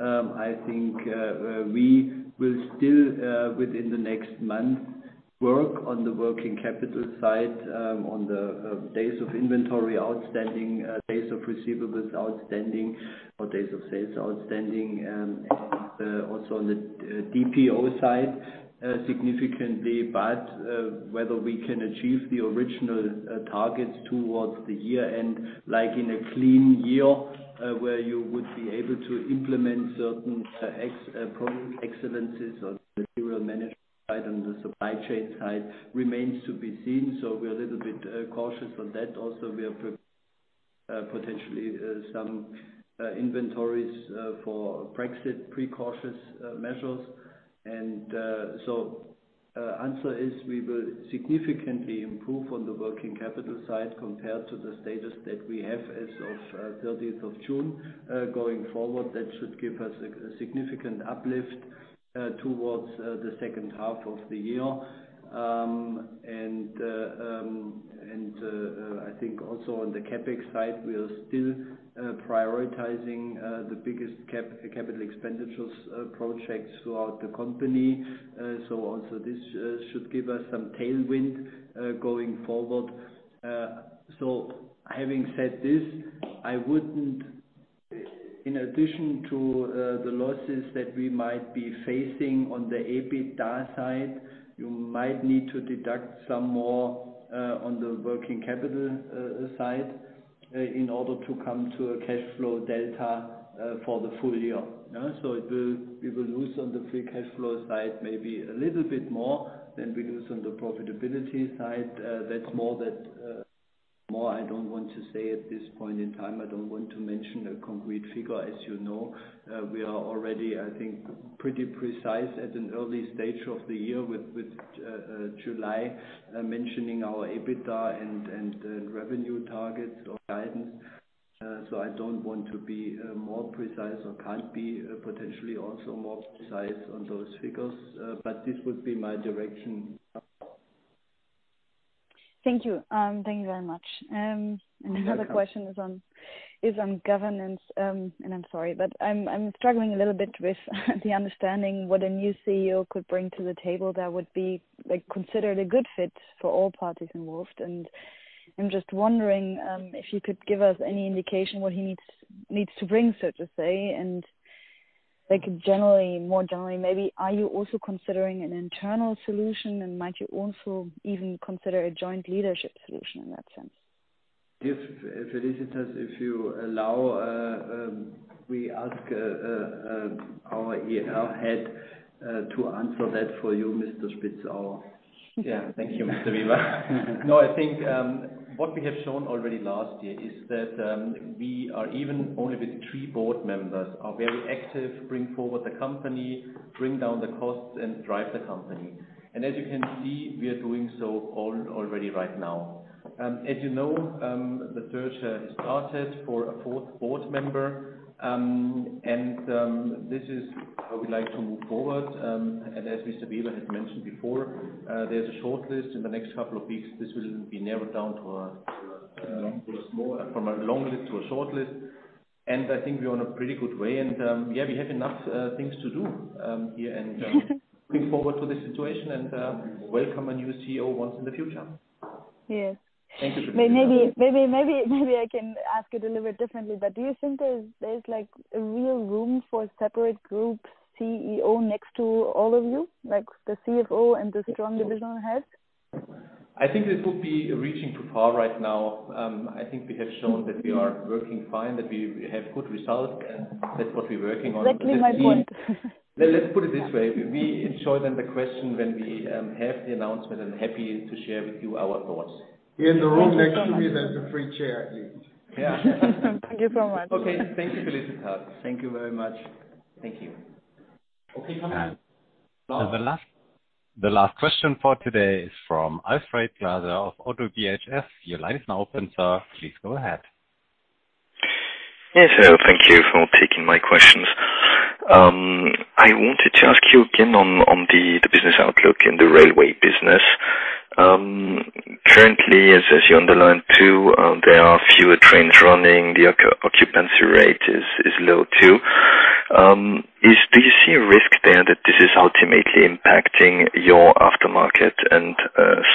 [SPEAKER 3] I think we will still, within the next month, work on the working capital side, on the days of inventory outstanding, days of receivables outstanding, or days of sales outstanding, and also on the DPO side significantly. Whether we can achieve the original targets towards the year end, like in a clean year, where you would be able to implement certain excellence or material management side and the supply chain side, remains to be seen. We are a little bit cautious on that. Also, we have prepared potentially some inventories for Brexit precautious measures. Answer is, we will significantly improve on the working capital side compared to the status that we have as of June 30th. Going forward, that should give us a significant uplift towards the second half of the year. I think also on the CapEx side, we are still prioritizing the biggest capital expenditures projects throughout the company. Also, this should give us some tailwind going forward. In addition to the losses that we might be facing on the EBITDA side, you might need to deduct some more on the working capital side in order to come to a cash flow delta for the full year. We will lose on the free cash flow side, maybe a little bit more than we loses on the profitability side. More I don't want to say at this point in time. I don't want to mention a concrete figure. As you know, we are already, I think, pretty precise at an early stage of the year with July mentioning our EBITDA and revenue targets or guidance. I don't want to be more precise or can't be potentially also more precise on those figures. This would be my direction.
[SPEAKER 12] Thank you. Thank you very much. Another question is on governance. I'm sorry, but I'm struggling a little bit with the understanding what a new CEO could bring to the table that would be considered a good fit for all parties involved. I'm just wondering, if you could give us any indication what he needs to bring, so to say, and more generally maybe, are you also considering an internal solution and might you also even consider a joint leadership solution in that sense?
[SPEAKER 3] Felicitas, if you allow, we ask our IR Head, to answer that for you, Mr. Spitzauer.
[SPEAKER 2] Thank you, Mr. Weber. I think, what we have shown already last year is that we are, even only with three board members, are very active, bring forward the company, bring down the costs, and drive the company. As you can see, we are doing so already right now. As you know, the search has started for a fourth board member. This is how we like to move forward. As Mr. Weber had mentioned before, there's a short list in the next couple of weeks. This will be narrowed down from a long list to a short list. I think we are in a pretty good way. We have enough things to do here and look forward to the situation and welcome a new CEO once in the future.
[SPEAKER 12] Yes.
[SPEAKER 2] Thank you, Felicitas.
[SPEAKER 12] Maybe I can ask it a little bit differently, do you think there's a real room for separate group CEO next to all of you, like the CFO and the strong divisional heads?
[SPEAKER 2] I think it would be reaching too far right now. I think we have shown that we are working fine, that we have good results, that's what we're working on.
[SPEAKER 12] Exactly my point.
[SPEAKER 2] Let's put it this way. We enjoy then the question when we have the announcement and happy to share with you our thoughts.
[SPEAKER 3] Here in the room next to me, there's a free chair at least.
[SPEAKER 2] Yeah.
[SPEAKER 12] Thank you so much.
[SPEAKER 2] Okay. Thank you, Felicitas.
[SPEAKER 3] Thank you very much.
[SPEAKER 2] Thank you. Okay, come on.
[SPEAKER 1] The last question for today is from Alfred Glaser of ODDO BHF. Your line is now open, Sir. Please go ahead.
[SPEAKER 13] Yes. Thank you for taking my questions. I wanted to ask you again on the business outlook in the railway business. Currently, as you underlined, too, there are fewer trains running. The occupancy rate is low, too. Do you see a risk there that this is ultimately impacting your aftermarket and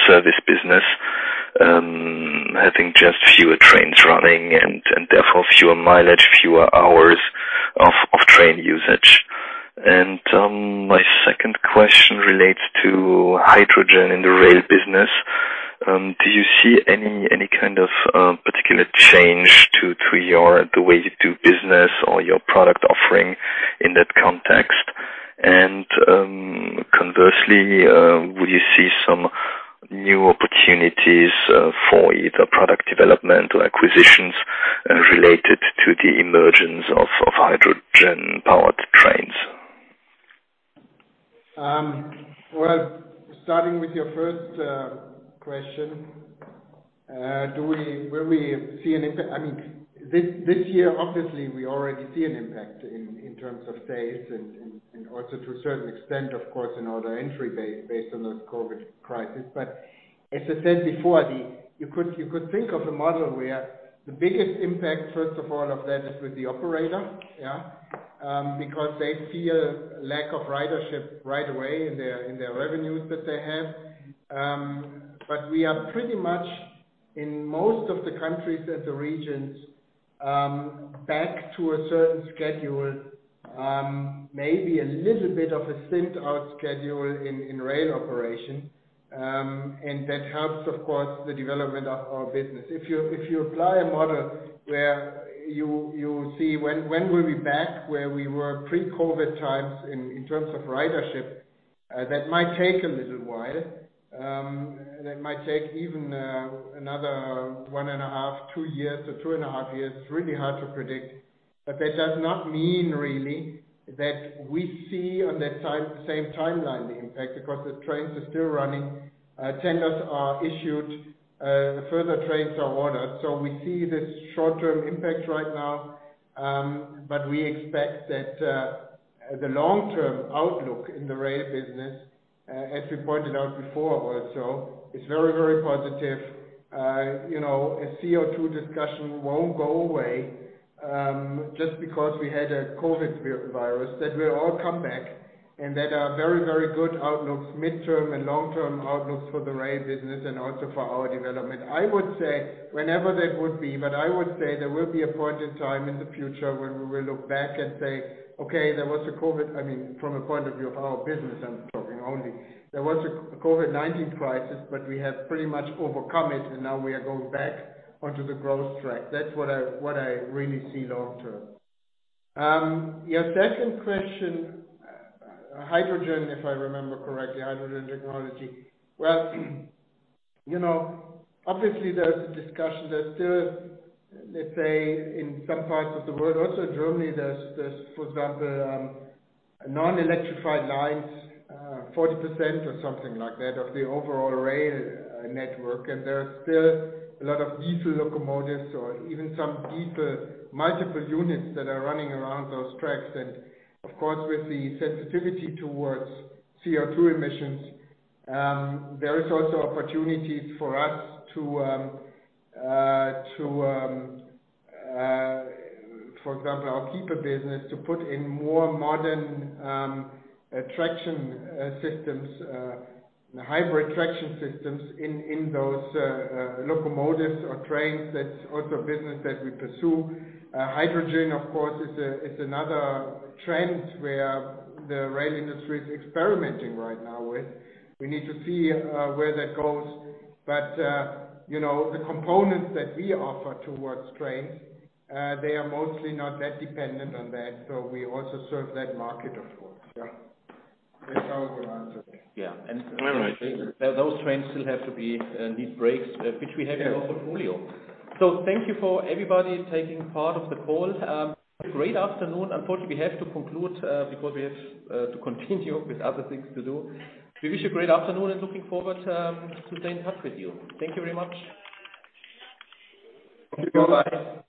[SPEAKER 13] service business, having just fewer trains running and therefore fewer mileage, fewer hours of train usage? My second question relates to hydrogen in the rail business. Do you see any kind of particular change to the way you do business or your product offering in that context? Conversely, would you see some new opportunities for either product development or acquisitions related to the emergence of hydrogen-powered trains?
[SPEAKER 6] Starting with your first question, will we see an impact? This year, obviously, we already see an impact in terms of days and also to a certain extent, of course, in order entry based on the COVID crisis. As I said before, you could think of a model where the biggest impact, first of all, of that is with the operator. Because they feel a lack of ridership right away in their revenues that they have. We are pretty much in most of the countries and the regions, back to a certain schedule, maybe a little bit of a thinned out schedule in rail operation. That helps, of course, the development of our business. If you apply a model where you see when we'll be back where we were pre-COVID times in terms of ridership, that might take a little while. That might take even another 1.5, two years to 2.5 years. It's Really hard to predict. That does not mean really that we see on that same timeline, the impact. The trains are still running, tenders are issued, further trains are ordered. We see this short-term impact right now, but we expect that the long-term outlook in the rail business, as we pointed out before also, is very positive. A CO2 discussion won't go away, just because we had a COVID virus, that will all come back, and that are very good outlooks, mid-term and long-term outlooks for the rail business and also for our development. I would say whenever that would be, but I would say there will be a point in time in the future when we will look back and say, "Okay, there was a COVID." From a point of view of our business, I'm talking only. There was a COVID-19 crisis, but we have pretty much overcome it, and now we are going back onto the growth track. That's what I really see long term. Your second question, hydrogen, if I remember correctly, hydrogen technology. Well obviously, there's a discussion that still, let's say in some parts of the world, also Germany, there's, for example, non-electrified lines, 40% or something like that, of the overall rail network. There are still a lot of diesel locomotives or even some diesel multiple units that are running around those tracks. Of course, with the sensitivity towards CO2 emissions, there is also opportunities for us, for example, our Kiepe business to put in more modern traction systems, hybrid traction systems in those locomotives or trains. That's also a business that we pursue. Hydrogen, of course, is another trend where the rail industry is experimenting right now with. We need to see where that goes. The components that we offer towards trains, they are mostly not that dependent on that. We also serve that market, of course. Yeah. That's how I would answer that.
[SPEAKER 2] Yeah. Those trains still need brakes, which we have in our portfolio. Thank you for everybody taking part of the call. Have a great afternoon. Unfortunately, we have to conclude, because we have to continue with other things to do. We wish you a great afternoon and looking forward to staying in touch with you. Thank you very much.
[SPEAKER 3] Thank you. Bye.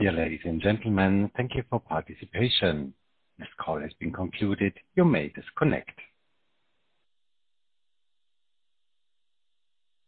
[SPEAKER 1] Dear ladies and gentlemen, thank you for participation. This call has been concluded. You may disconnect.